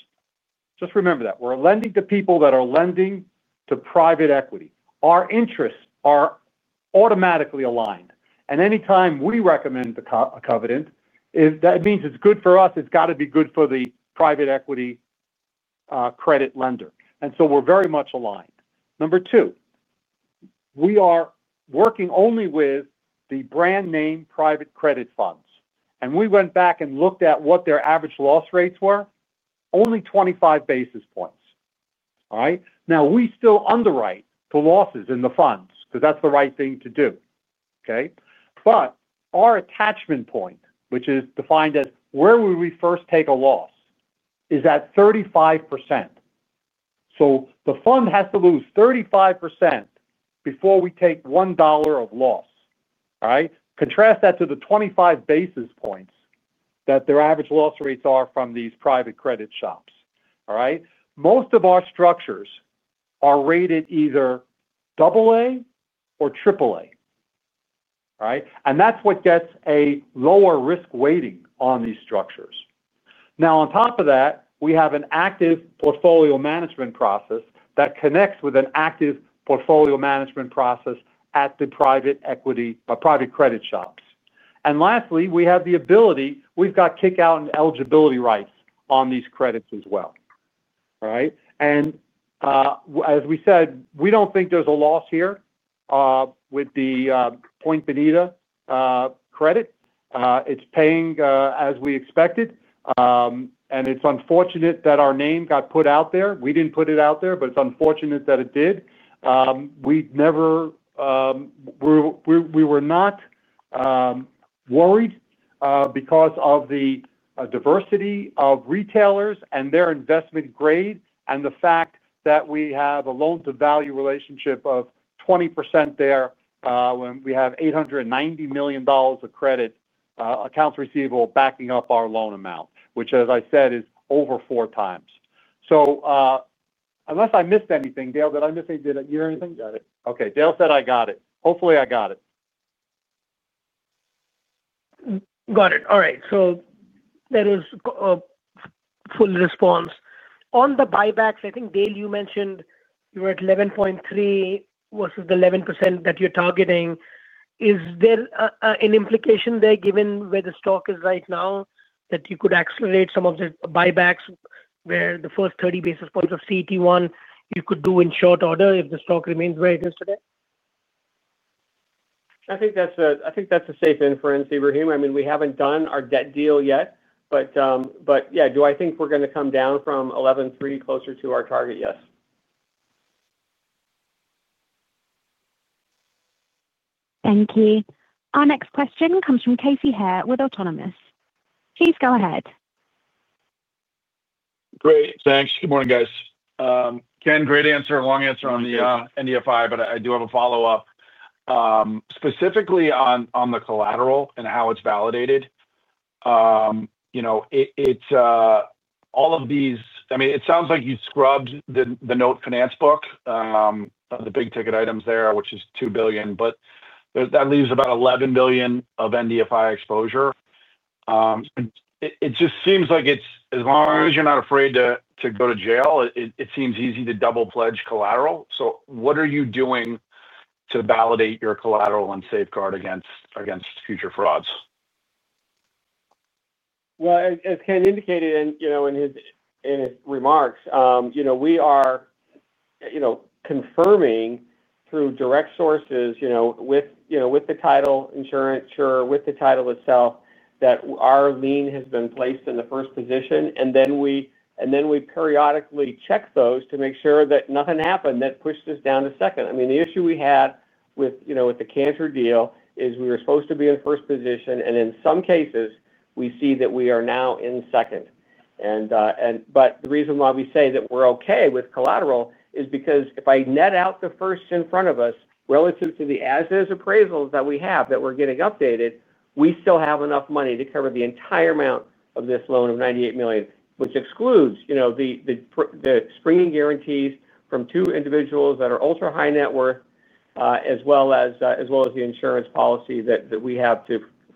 Just remember that. We're lending to people that are lending to private equity. Our interests are automatically aligned. Anytime we recommend a covenant, that means it's good for us. It's got to be good for the private equity credit lender. We're very much aligned. Number two, we are working only with the brand name private credit funds. We went back and looked at what their average loss rates were, only 25 basis points. We still underwrite the losses in the funds because that's the right thing to do. Our attachment point, which is defined as where we first take a loss, is at 35%. The fund has to lose 35% before we take $1 of loss, all right? Contrast that to the 25 basis points that their average loss rates are from these private credit shops, all right? Most of our structures are rated either AA or AAA, all right? That's what gets a lower risk weighting on these structures. On top of that, we have an active portfolio management process that connects with an active portfolio management process at the private equity or private credit shops. Lastly, we have the ability, we've got kick-out and eligibility rights on these credits as well, all right? As we said, we don't think there's a loss here with Point Bonita. It's paying as we expected. It's unfortunate that our name got put out there. We didn't put it out there, but it's unfortunate that it did. We were not worried because of the diversity of retailers and their investment grade and the fact that we have a loan-to-value relationship of 20% there. We have $890 million of credit accounts receivable backing up our loan amount, which, as I said, is over four times. Unless I missed anything, Dale, did I miss anything? Did you hear anything? You got it. Okay, Dale said I got it. Hopefully, I got it. Got it. All right. That was a full response. On the buybacks, I think, Dale, you mentioned you were at 11.3% versus the 11% that you're targeting. Is there an implication there, given where the stock is right now, that you could accelerate some of the buybacks where the first 30 basis points of CET1 you could do in short order if the stock remains where it is today? I think that's a safe inference, Ibrahim. I mean, we haven't done our debt deal yet. Do I think we're going to come down from 11.3% closer to our target? Yes. Thank you. Our next question comes from Casey Haire with Autonomous. Please go ahead. Great. Thanks. Good morning, guys. Ken, great answer, long answer on the NDFI, but I do have a follow-up. Specifically on the collateral and how it's validated. You know, all of these, I mean, it sounds like you scrubbed the note finance book, the big ticket items there, which is $2 billion, but that leaves about $11 billion of NDFI exposure. It just seems like it's, as long as you're not afraid to go to jail, it seems easy to double pledge collateral. What are you doing to validate your collateral and safeguard against future frauds? As Ken indicated in his remarks, we are confirming through direct sources, with the title insurance, with the title itself, that our lien has been placed in the first position. We periodically check those to make sure that nothing happened that pushed us down to second. The issue we had with the Canter deal is we were supposed to be in first position, and in some cases, we see that we are now in second. The reason why we say that we're okay with collateral is because if I net out the first in front of us relative to the as-is appraisals that we have that we're getting updated, we still have enough money to cover the entire amount of this loan of $98 million, which excludes the springing guarantees from two individuals that are ultra high net worth, as well as the insurance policy that we have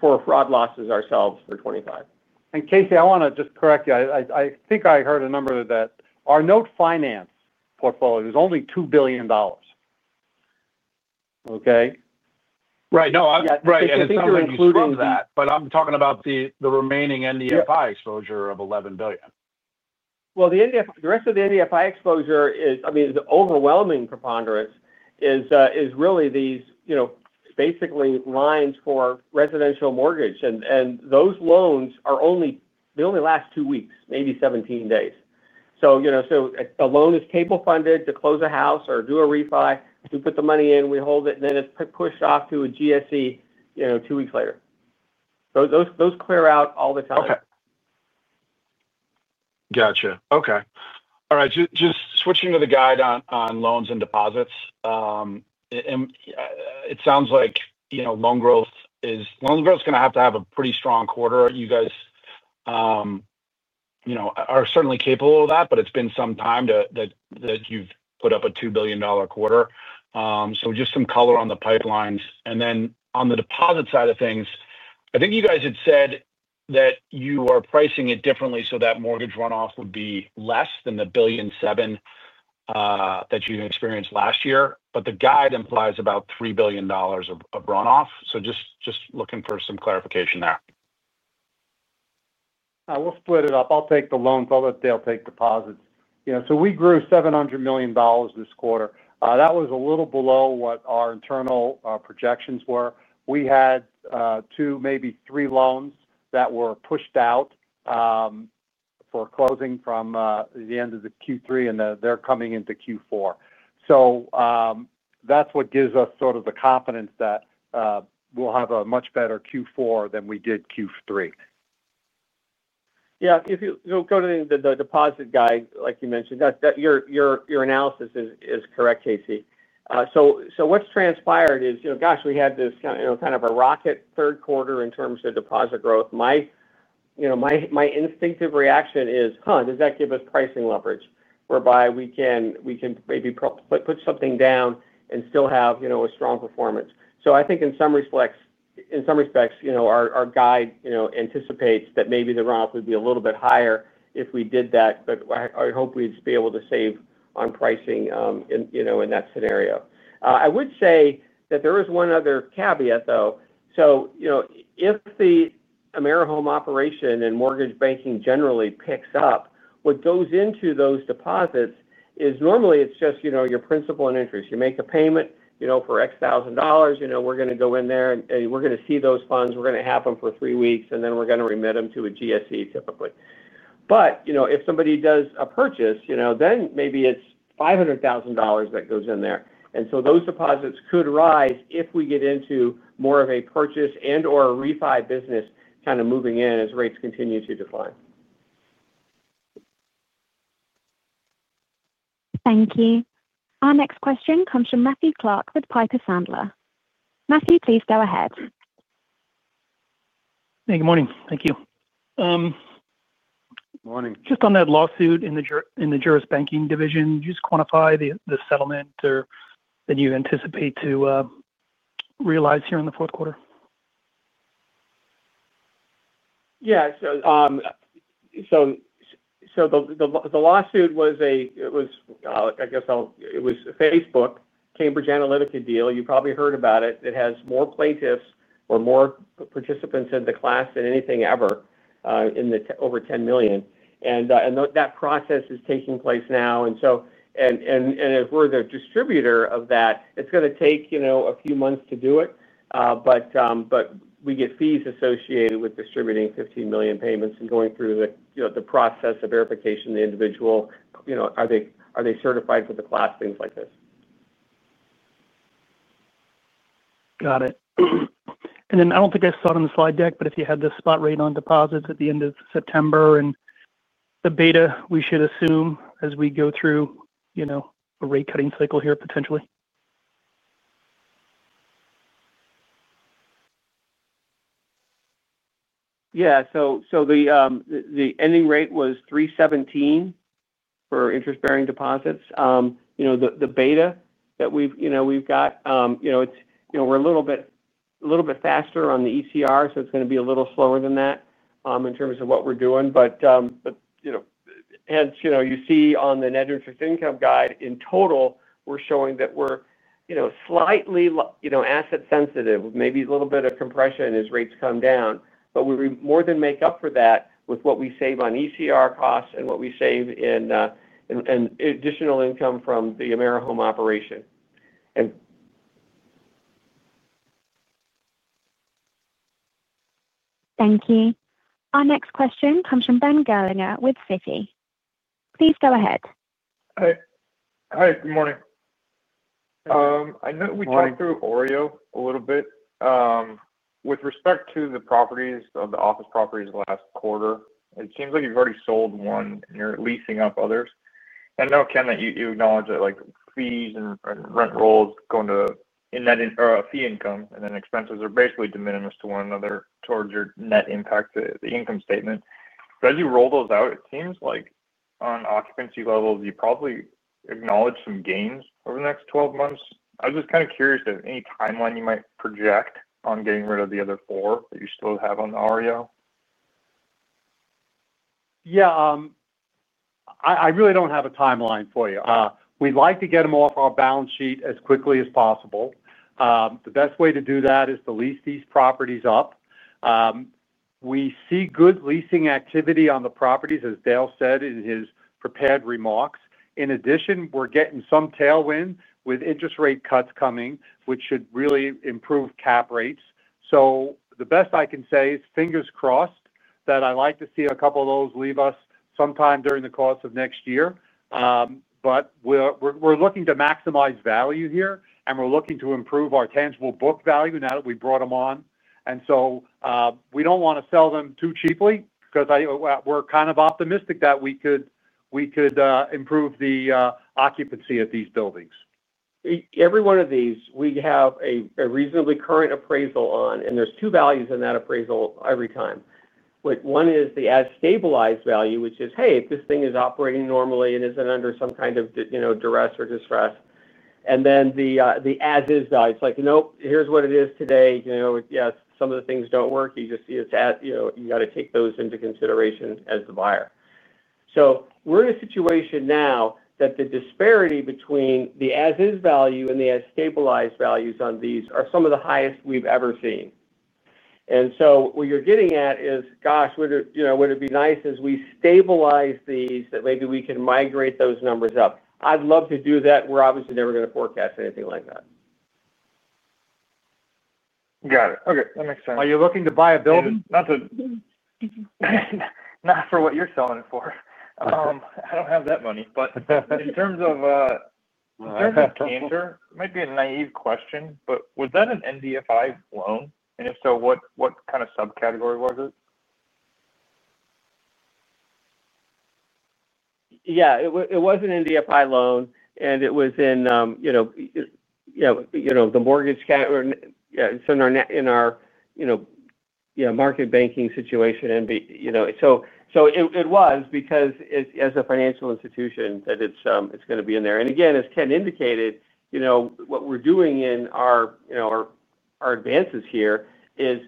for fraud losses ourselves for $25 million. Casey, I want to just correct you. I think I heard a number that our note finance portfolio is only $2 billion, okay? Right. No, I think you're including that, but I'm talking about the remaining NDFI exposure of $11 billion. The rest of the NDFI exposure is, I mean, the overwhelming preponderance is really these, you know, basically lines for residential mortgage. Those loans are only, they only last two weeks, maybe 17 days. A loan is table funded to close a house or do a refi. We put the money in, we hold it, and then it's pushed off to a GSE, you know, two weeks later. Those clear out all the time. Okay. Gotcha. All right. Just switching to the guide on loans and deposits. It sounds like you know loan growth is going to have to have a pretty strong quarter. You guys are certainly capable of that, but it's been some time that you've put up a $2 billion quarter. Just some color on the pipelines. On the deposit side of things, I think you guys had said that you are pricing it differently so that mortgage runoff would be less than the $1.7 billion that you experienced last year. The guide implies about $3 billion of runoff. Just looking for some clarification there. We'll split it up. I'll take the loans, I'll let Dale take deposits. We grew $700 million this quarter, which was a little below what our internal projections were. We had two, maybe three loans that were pushed out for closing from the end of Q3, and they're coming into Q4. That gives us sort of the confidence that we'll have a much better Q4 than we did Q3. Yeah. If you go to the deposit guide, like you mentioned, your analysis is correct, Casey. What's transpired is, gosh, we had this kind of a rocket third quarter in terms of deposit growth. My instinctive reaction is, "Huh, does that give us pricing leverage whereby we can maybe put something down and still have a strong performance?" I think in some respects, our guide anticipates that maybe the runoff would be a little bit higher if we did that. I hope we'd be able to save on pricing in that scenario. I would say that there is one other caveat, though. If the AmeriHome operation and mortgage banking generally picks up, what goes into those deposits is normally just your principal and interest. You make a payment for X thousand dollars. We're going to go in there, and we're going to see those funds. We're going to have them for three weeks, and then we're going to remit them to a GSE typically. If somebody does a purchase, then maybe it's $500,000 that goes in there. Those deposits could rise if we get into more of a purchase and/or a refi business kind of moving in as rates continue to decline. Thank you. Our next question comes from Matthew Clark with Piper Sandler. Matthew, please go ahead. Hey, good morning. Thank you. Morning. Just on that lawsuit in the juris banking division, just quantify the settlement or that you anticipate to realize here in the fourth quarter. Yeah. The lawsuit was a, I guess, it was a Facebook Cambridge Analytica deal. You probably heard about it. It has more plaintiffs or more participants in the class than anything ever, over 10 million. That process is taking place now. As we're the distributor of that, it's going to take a few months to do it. We get fees associated with distributing 15 million payments and going through the process of verification of the individual. You know, are they certified for the class, things like this? Got it. I don't think I saw it on the slide deck, but if you had the spot rate on deposits at the end of September and the beta, we should assume as we go through a rate cutting cycle here potentially. Yeah. The ending rate was 3.17% for interest-bearing deposits. The beta that we've got, we're a little bit faster on the ECR, so it's going to be a little slower than that in terms of what we're doing. Hence, you see on the net interest income guide, in total, we're showing that we're slightly asset-sensitive, maybe a little bit of compression as rates come down. We more than make up for that with what we save on ECR costs and what we save in additional income from the AmeriHome operation. Thank you. Our next question comes from Ben Gerlinger with Citi. Please go ahead. Hi, good morning. I know we talked through OREO a little bit. With respect to the properties, the office properties of the last quarter, it seems like you've already sold one and you're leasing up others. I know, Ken, that you acknowledge that fees and rent rolls going to net fee income and then expenses are basically de minimis to one another towards your net impact to the income statement. As you roll those out, it seems like on occupancy levels, you probably acknowledge some gains over the next 12 months. I was just kind of curious if any timeline you might project on getting rid of the other four that you still have on the OREO. Yeah. I really don't have a timeline for you. We'd like to get them off our balance sheet as quickly as possible. The best way to do that is to lease these properties up. We see good leasing activity on the properties, as Dale said in his prepared remarks. In addition, we're getting some tailwind with interest rate cuts coming, which should really improve cap rates. The best I can say is fingers crossed that I'd like to see a couple of those leave us sometime during the course of next year. We're looking to maximize value here, and we're looking to improve our tangible book value now that we brought them on. We don't want to sell them too cheaply because we're kind of optimistic that we could improve the occupancy of these buildings. Every one of these, we have a reasonably current appraisal on, and there's two values in that appraisal every time. One is the as-stabilized value, which is, "Hey, if this thing is operating normally and isn't under some kind of duress or distress." The as-is value is like, "Nope, here's what it is today. You know, yes, some of the things don't work. You just see it's at, you know, you got to take those into consideration as the buyer." We are in a situation now that the disparity between the as-is value and the as-stabilized values on these are some of the highest we've ever seen. What you're getting at is, "Gosh, would it be nice as we stabilize these that maybe we can migrate those numbers up?" I'd love to do that. We're obviously never going to forecast anything like that. Got it. Okay, that makes sense. Are you looking to buy a building? Not for what you're selling it for. I don't have that money. In terms of Canter, it might be a naive question, but was that an NDFI loan? If so, what kind of subcategory was it? Yeah. It was an NDFI loan, and it was in the mortgage cap or, yeah, in our market banking situation. It was because as a financial institution that it's going to be in there. As Ken indicated, what we're doing in our advances here is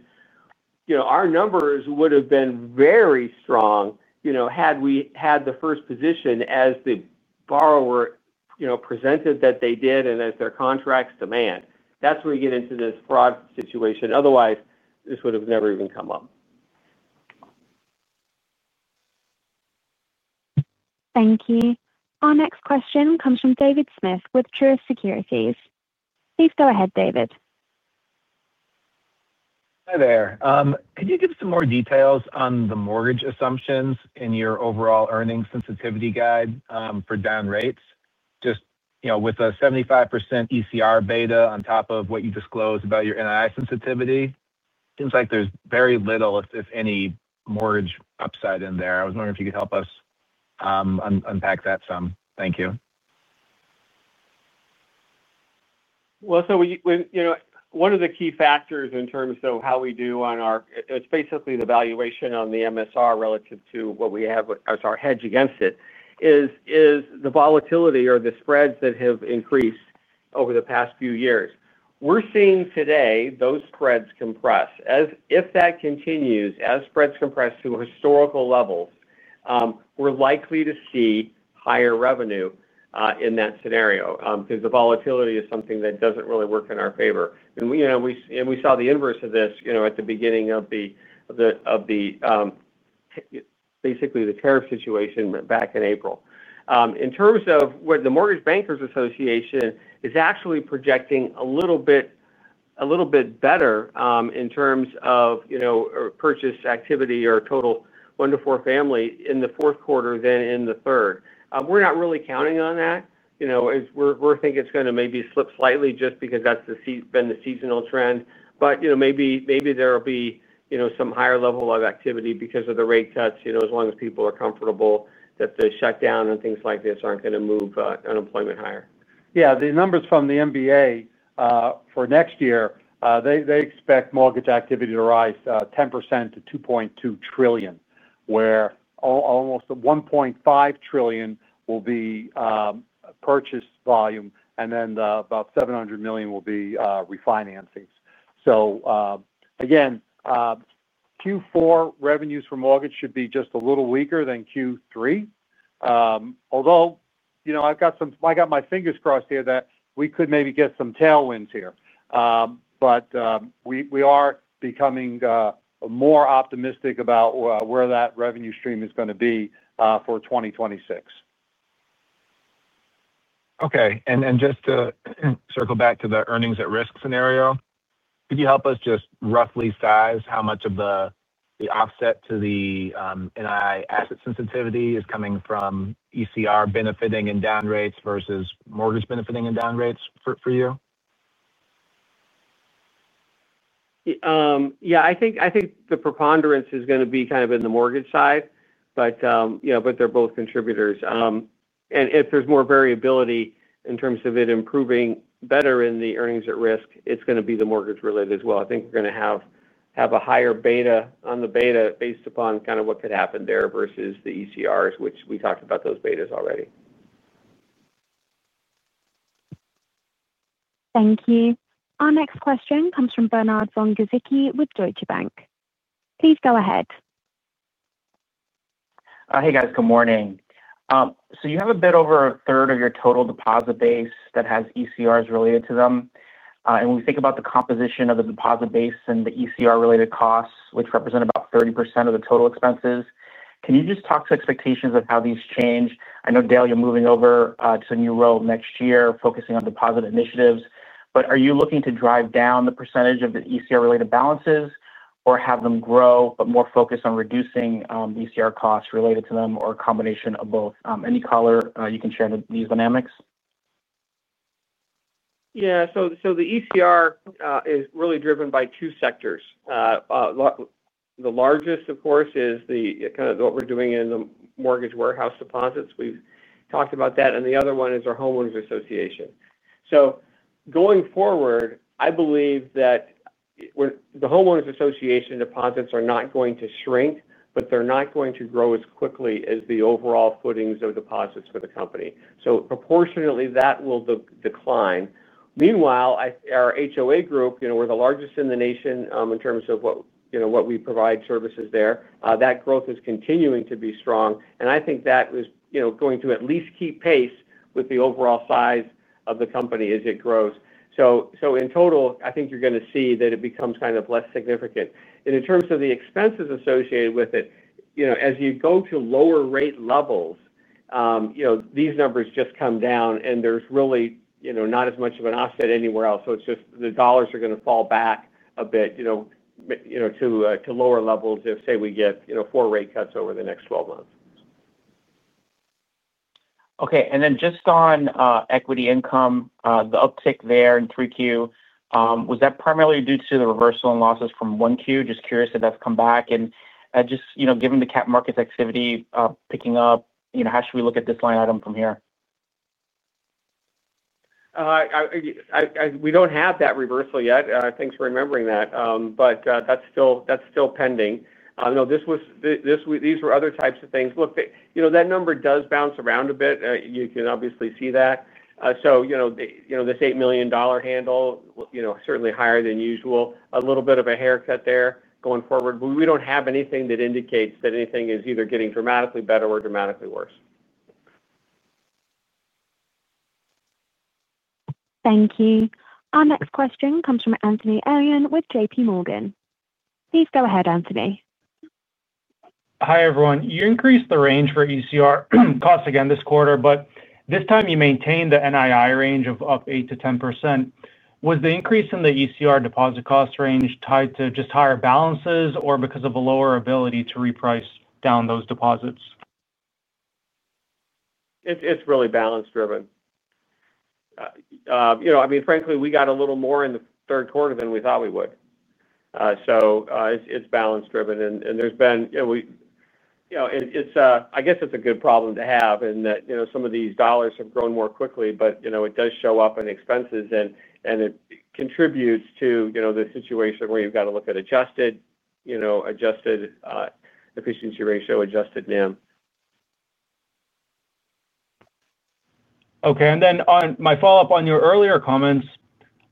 our numbers would have been very strong had we had the first position as the borrower presented that they did and as their contracts demand. That's when we get into this fraud situation. Otherwise, this would have never even come up. Thank you. Our next question comes from David Smith with Truist Securities. Please go ahead, David. Hi there. Could you give some more details on the mortgage assumptions in your overall earnings sensitivity guide for down rates? With a 75% ECR beta on top of what you disclosed about your NII sensitivity, it seems like there's very little, if any, mortgage upside in there. I was wondering if you could help us unpack that some. Thank you. One of the key factors in terms of how we do on our, it's basically the valuation on the MSR relative to what we have, our hedge against it, is the volatility or the spreads that have increased over the past few years. We're seeing today those spreads compress. If that continues, as spreads compress to historical levels, we're likely to see higher revenue in that scenario because the volatility is something that doesn't really work in our favor. We saw the inverse of this at the beginning of the, basically, the tariff situation back in April. In terms of what the Mortgage Bankers Association is actually projecting, a little bit better in terms of purchase activity or total one-to-four family in the fourth quarter than in the third. We're not really counting on that. We think it's going to maybe slip slightly just because that's been the seasonal trend. Maybe there will be some higher level of activity because of the rate cuts, as long as people are comfortable that the shutdown and things like this aren't going to move unemployment higher. Yeah. The numbers from the MBA for next year, they expect mortgage activity to rise 10% to $2.2 trillion, where almost $1.5 trillion will be purchase volume, and then about $700 billion will be refinancings. Q4 revenues for mortgage should be just a little weaker than Q3, although I've got my fingers crossed here that we could maybe get some tailwinds here. We are becoming more optimistic about where that revenue stream is going to be for 2026. Okay. Just to circle back to the earnings at risk scenario, could you help us just roughly size how much of the offset to the NII asset sensitivity is coming from ECR benefiting in down rates versus mortgage benefiting in down rates for you? Yeah. I think the preponderance is going to be kind of in the mortgage side, but they're both contributors. If there's more variability in terms of it improving better in the earnings at risk, it's going to be the mortgage-related as well. I think we're going to have a higher beta on the beta based upon kind of what could happen there versus the ECRs, which we talked about those betas already. Thank you. Our next question comes from Bernard von Gizycki with Deutsche Bank. Please go ahead. Hey, guys. Good morning. You have a bit over a third of your total deposit base that has ECRs related to them. When we think about the composition of the deposit base and the ECR-related costs, which represent about 30% of the total expenses, can you just talk to expectations of how these change? I know, Dale, you're moving over to a new role next year, focusing on deposit initiatives. Are you looking to drive down the percentage of the ECR-related balances or have them grow, but more focus on reducing the ECR costs related to them or a combination of both? Any color you can share into these dynamics? Yeah. The ECR is really driven by two sectors. The largest, of course, is kind of what we're doing in the mortgage warehouse deposits. We've talked about that. The other one is our homeowners association. Going forward, I believe that the homeowners association deposits are not going to shrink, but they're not going to grow as quickly as the overall footings of deposits for the company. Proportionately, that will decline. Meanwhile, our HOA group, you know, we're the largest in the nation in terms of what we provide services there. That growth is continuing to be strong. I think that is going to at least keep pace with the overall size of the company as it grows. In total, I think you're going to see that it becomes kind of less significant. In terms of the expenses associated with it, as you go to lower rate levels, these numbers just come down, and there's really not as much of an offset anywhere else. It's just the dollars are going to fall back a bit to lower levels if, say, we get four rate cuts over the next 12 months. Okay. Just on equity income, the uptick there in 3Q, was that primarily due to the reversal in losses from 1Q? I'm just curious if that's come back. Given the cap markets activity picking up, how should we look at this line item from here? Don't have that reversal yet. Thanks for remembering that. That's still pending. No, these were other types of things. Look, you know that number does bounce around a bit. You can obviously see that. This $8 million handle is certainly higher than usual, a little bit of a haircut there going forward. We don't have anything that indicates that anything is either getting dramatically better or dramatically worse. Thank you. Our next question comes from Anthony Elian with JPMorgan. Please go ahead, Anthony. Hi, everyone. You increased the range for ECR costs again this quarter, but this time you maintained the NII range of up 8%-10%. Was the increase in the ECR deposit cost range tied to just higher balances or because of a lower ability to reprice down those deposits? It's really balance-driven. Frankly, we got a little more in the third quarter than we thought we would. It's balance-driven, and there's been, I guess it's a good problem to have in that some of these dollars have grown more quickly, but it does show up in expenses and it contributes to the situation where you've got to look at adjusted efficiency ratio, adjusted NIM. Okay. My follow-up on your earlier comments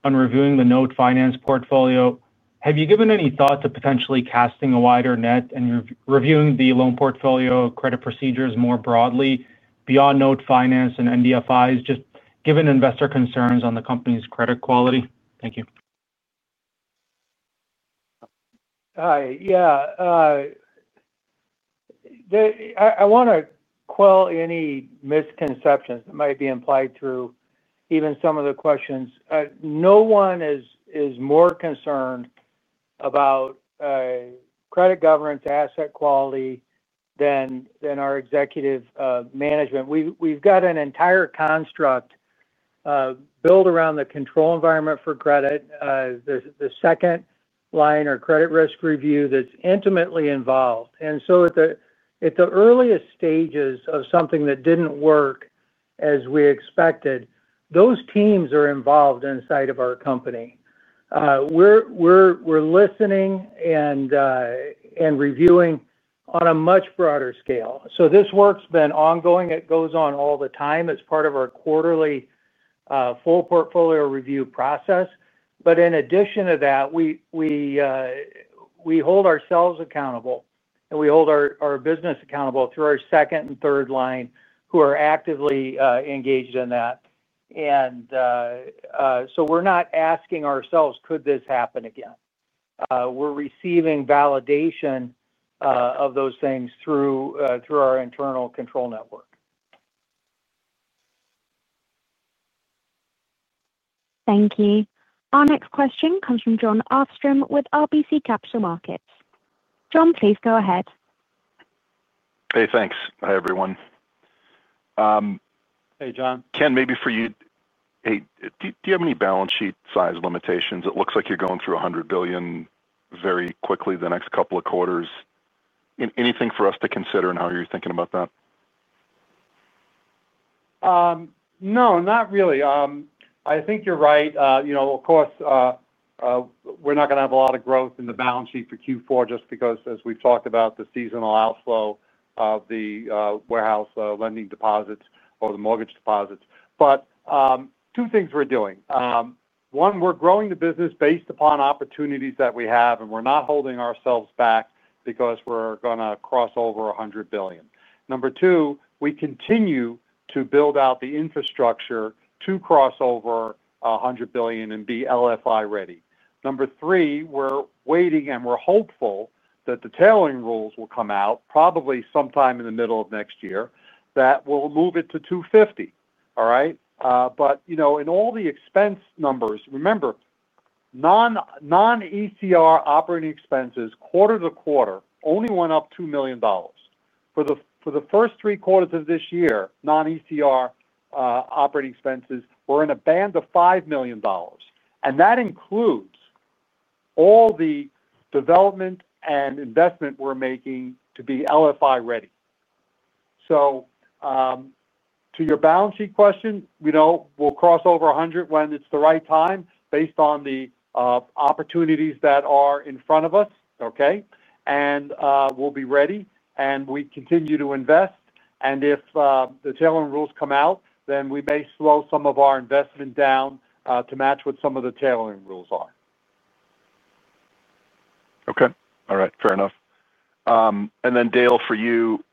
on reviewing the note finance portfolio, have you given any thought to potentially casting a wider net and reviewing the loan portfolio credit procedures more broadly beyond note finance and NDFIs, just given investor concerns on the company's credit quality? Thank you. Yeah. I want to quell any misconceptions that might be implied through even some of the questions. No one is more concerned about credit governance, asset quality than our executive management. We've got an entire construct built around the control environment for credit, the second line or credit risk review that's intimately involved. At the earliest stages of something that didn't work as we expected, those teams are involved inside of our company. We're listening and reviewing on a much broader scale. This work's been ongoing. It goes on all the time. It's part of our quarterly full portfolio review process. In addition to that, we hold ourselves accountable and we hold our business accountable through our second and third line who are actively engaged in that. We're not asking ourselves, "Could this happen again?" We're receiving validation of those things through our internal control network. Thank you. Our next question comes from JonArfstrom with RBC Capital Markets. Jon, please go ahead. Hey, thanks. Hi, everyone. Hey, John. Ken, maybe for you, do you have any balance sheet size limitations? It looks like you're going through $100 billion very quickly the next couple of quarters. Anything for us to consider in how you're thinking about that? No, not really. I think you're right. Of course, we're not going to have a lot of growth in the balance sheet for Q4 just because, as we've talked about, the seasonal outflow of the warehouse lending deposits or the mortgage deposits. Two things we're doing: one, we're growing the business based upon opportunities that we have, and we're not holding ourselves back because we're going to cross over $100 billion. Number two, we continue to build out the infrastructure to cross over $100 billion and be LFI ready. Number three, we're waiting and we're hopeful that the tailoring rules will come out probably sometime in the middle of next year that will move it to $250 billion, all right? In all the expense numbers, remember, non-ECR operating expenses quarter to quarter only went up $2 million. For the first three quarters of this year, non-ECR operating expenses were in a band of $5 million. That includes all the development and investment we're making to be LFI ready. To your balance sheet question, we know we'll cross over $100 billion when it's the right time based on the opportunities that are in front of us, okay? We'll be ready, and we continue to invest. If the tailoring rules come out, then we may slow some of our investment down to match what some of the tailoring rules are. All right. Fair enough. Dale, for you,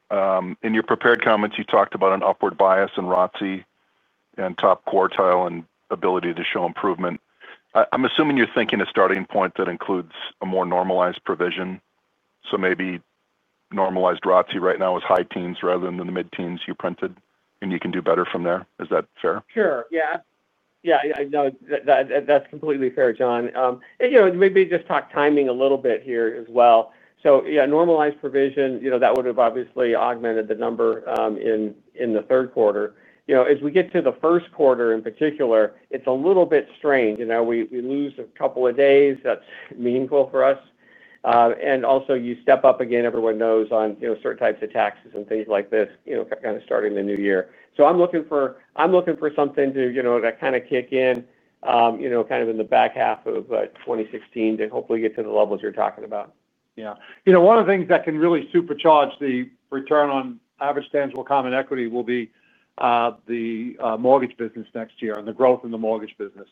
in your prepared comments, you talked about an upward bias in ROTC and top quartile and ability to show improvement. I'm assuming you're thinking a starting point that includes a more normalized provision. Maybe normalized ROTC right now is high teens rather than the mid-teens you printed, and you can do better from there. Is that fair? Sure. Yeah. No, that's completely fair, Jon. Maybe just talk timing a little bit here as well. Normalized provision, you know, that would have obviously augmented the number in the third quarter. As we get to the first quarter in particular, it's a little bit strange. We lose a couple of days. That's meaningful for us. Also, you step up again, everyone knows, on certain types of taxes and things like this, kind of starting the new year. I'm looking for something to kind of kick in, kind of in the back half of 2016 to hopefully get to the levels you're talking about. Yeah. You know, one of the things that can really supercharge the return on average tangible common equity will be the mortgage business next year and the growth in the mortgage business.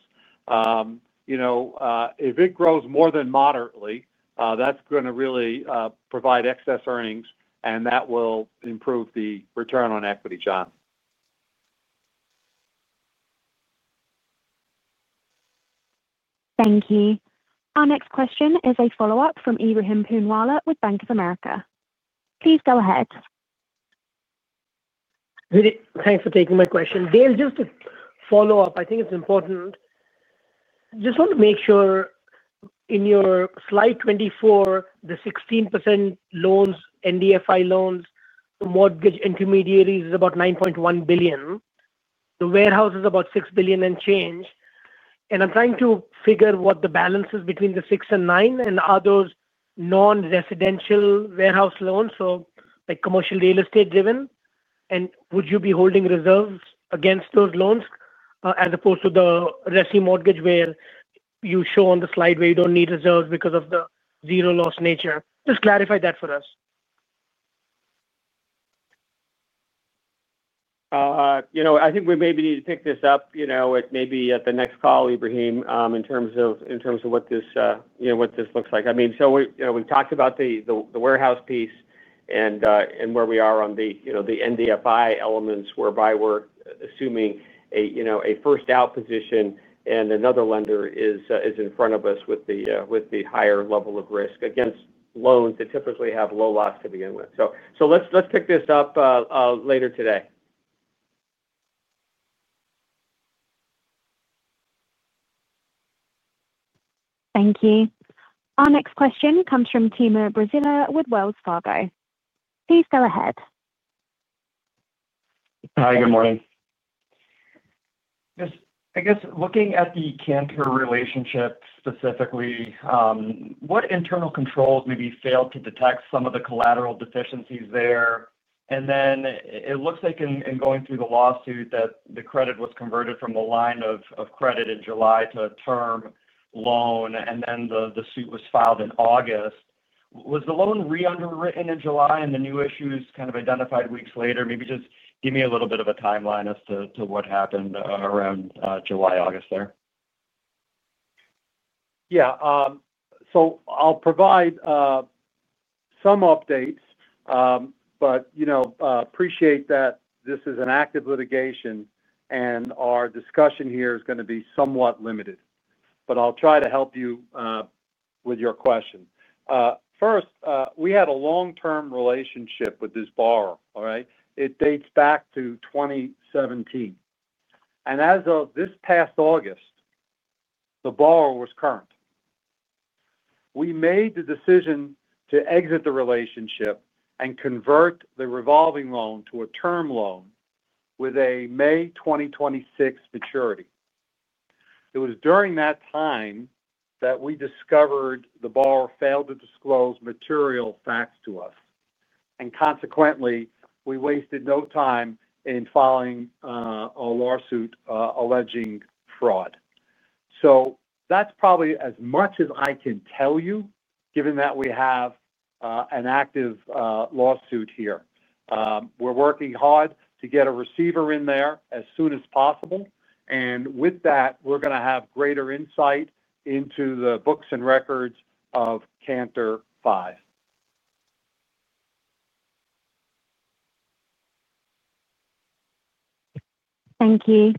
You know, if it grows more than moderately, that's going to really provide excess earnings, and that will improve the return on equity, John. Thank you. Our next question is a follow-up from Ebrahim Poonawala with Bank of America. Please go ahead. Thanks for taking my question. Dale, just to follow up, I think it's important. I just want to make sure in your slide 24, the 16% loans, NDFI loans, the mortgage intermediaries is about $9.1 billion. The warehouse is about $6 billion and change. I'm trying to figure what the balance is between the $6 billion and $9 billion, and are those non-residential warehouse loans, so like commercial real estate-driven? Would you be holding reserves against those loans as opposed to the resi mortgage where you show on the slide where you don't need reserves because of the zero loss nature? Just clarify that for us. You know. I think we maybe need to pick this up, you know, maybe at the next call, Ibrahim, in terms of what this looks like. I mean, we talked about the warehouse piece and where we are on the NDFI elements whereby we're assuming a first-out position and another lender is in front of us with the higher level of risk against loans that typically have low loss to begin with. Let's pick this up later today. Thank you. Our next question comes from Timur Braziler with Wells Fargo. Please go ahead. Hi, good morning. I guess looking at the Canter Group 5 relationship specifically, what internal controls maybe failed to detect some of the collateral deficiencies there? It looks like in going through the lawsuit that the credit was converted from the line of credit in July to a term loan, and then the suit was filed in August. Was the loan re-underwritten in July and the new issues kind of identified weeks later? Maybe just give me a little bit of a timeline as to what happened around July, August there. Yeah. I'll provide some updates, but appreciate that this is an active litigation and our discussion here is going to be somewhat limited. I'll try to help you with your question. First, we had a long-term relationship with this borrower, all right? It dates back to 2017. As of this past August, the borrower was current. We made the decision to exit the relationship and convert the revolving loan to a term loan with a May 2026 maturity. It was during that time that we discovered the borrower failed to disclose material facts to us. Consequently, we wasted no time in filing a lawsuit alleging fraud. That's probably as much as I can tell you, given that we have an active lawsuit here. We're working hard to get a receiver in there as soon as possible. With that, we're going to have greater insight into the books and records of Canter Group 5. Thank you.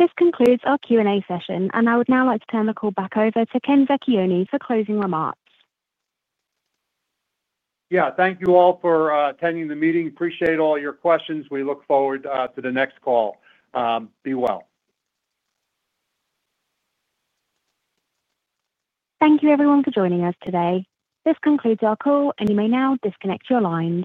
This concludes our Q&A session. I would now like to turn the call back over to Ken Vecchione for closing remarks. Thank you all for attending the meeting. Appreciate all your questions. We look forward to the next call. Be well. Thank you, everyone, for joining us today. This concludes our call, and you may now disconnect your lines.